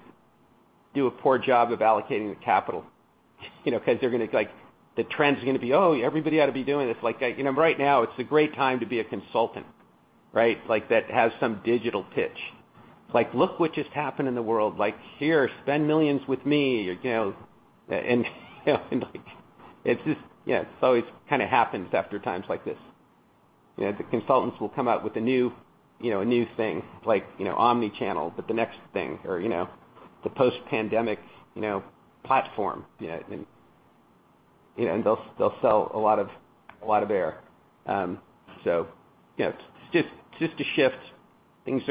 do a poor job of allocating the capital. They're going to like, the trend's going to be, "Oh, everybody ought to be doing this." Right now, it's a great time to be a consultant, right? That has some digital pitch. It's like, "Look what just happened in the world. Here, spend millions with me." It always kind of happens after times like this. The consultants will come out with a new thing like omnichannel, but the next thing or the post-pandemic platform. They'll sell a lot of air. It's just a shift. Things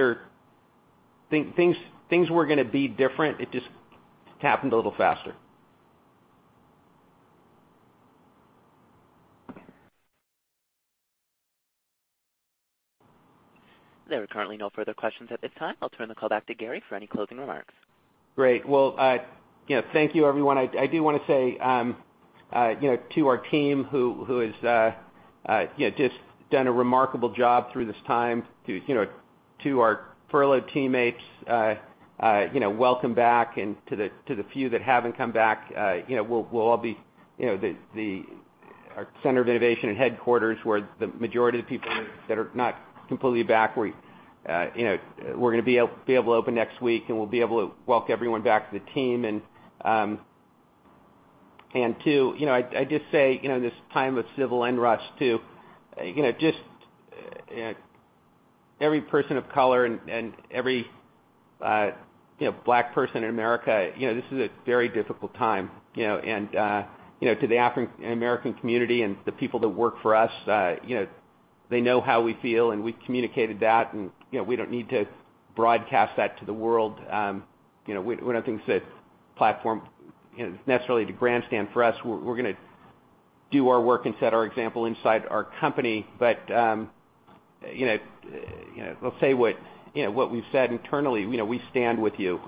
were going to be different. It just happened a little faster. There are currently no further questions at this time. I'll turn the call back to Gary for any closing remarks. Great. Well, thank you everyone. I do want to say, to our team who has just done a remarkable job through this time. To our furloughed teammates, welcome back. To the few that haven't come back, our center of innovation and headquarters where the majority of the people that are not completely back, we're going to be able to open next week, and we'll be able to welcome everyone back to the team. Too, I just say, in this time of civil unrest too, every person of color and every Black person in America, this is a very difficult time. To the African and American community and the people that work for us, they know how we feel, and we've communicated that and we don't need to broadcast that to the world. We don't think it's a platform necessarily to grandstand for us. We're going to do our work and set our example inside our company. We'll say what we've said internally, we stand with you.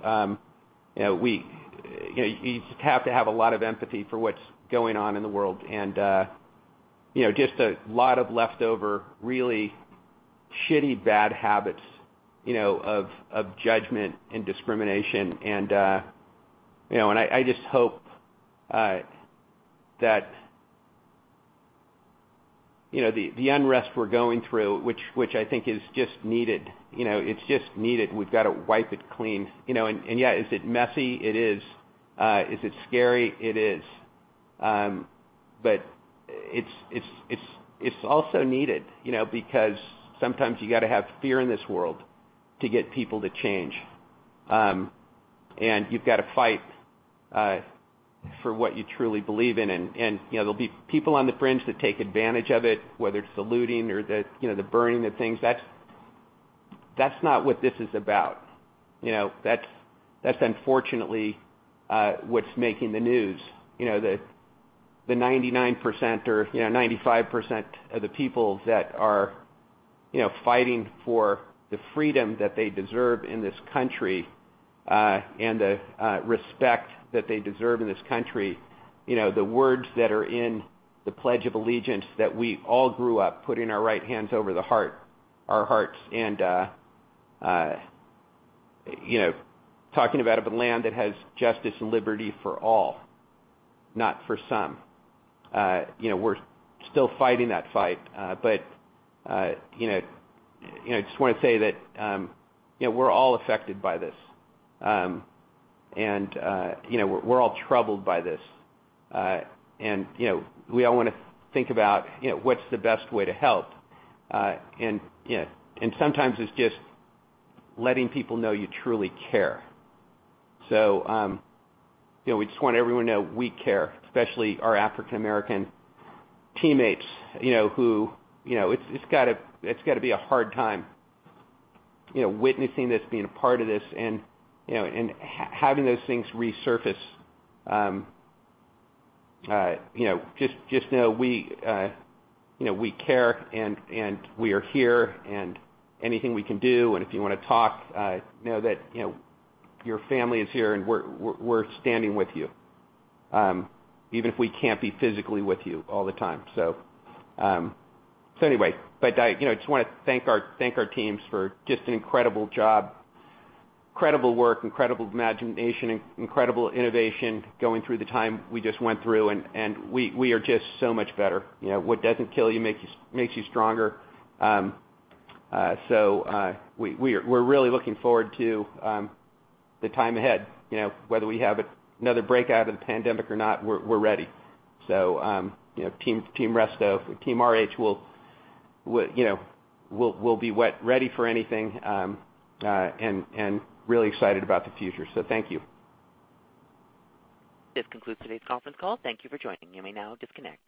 You just have to have a lot of empathy for what's going on in the world. Just a lot of leftover, really shitty, bad habits of judgment and discrimination. I just hope that the unrest we're going through, which I think is just needed. It's just needed. We've got to wipe it clean. Yeah, is it messy? It is. Is it scary? It is. It's also needed because sometimes you got to have fear in this world to get people to change. You've got to fight for what you truly believe in. There'll be people on the fringe that take advantage of it, whether it's the looting or the burning of things. That's not what this is about. That's unfortunately what's making the news. The 99% or 95% of the people that are fighting for the freedom that they deserve in this country and the respect that they deserve in this country. The words that are in the Pledge of Allegiance that we all grew up putting our right hands over our hearts and talking about a land that has justice and liberty for all, not for some. We're still fighting that fight. I just want to say that we're all affected by this. We're all troubled by this. We all want to think about what's the best way to help. Sometimes it's just letting people know you truly care. We just want everyone to know we care, especially our African American teammates. It's got to be a hard time witnessing this, being a part of this, and having those things resurface. Just know we care, and we are here, and anything we can do, and if you want to talk, know that your family is here, and we're standing with you even if we can't be physically with you all the time. Anyway, I just want to thank our teams for just an incredible job, incredible work, incredible imagination, incredible innovation going through the time we just went through, and we are just so much better. What doesn't kill you makes you stronger. We're really looking forward to the time ahead. Whether we have another breakout of the pandemic or not, we're ready. Team Resto, Team RH, we'll be ready for anything and really excited about the future. Thank you. This concludes today's conference call. Thank you for joining. You may now disconnect.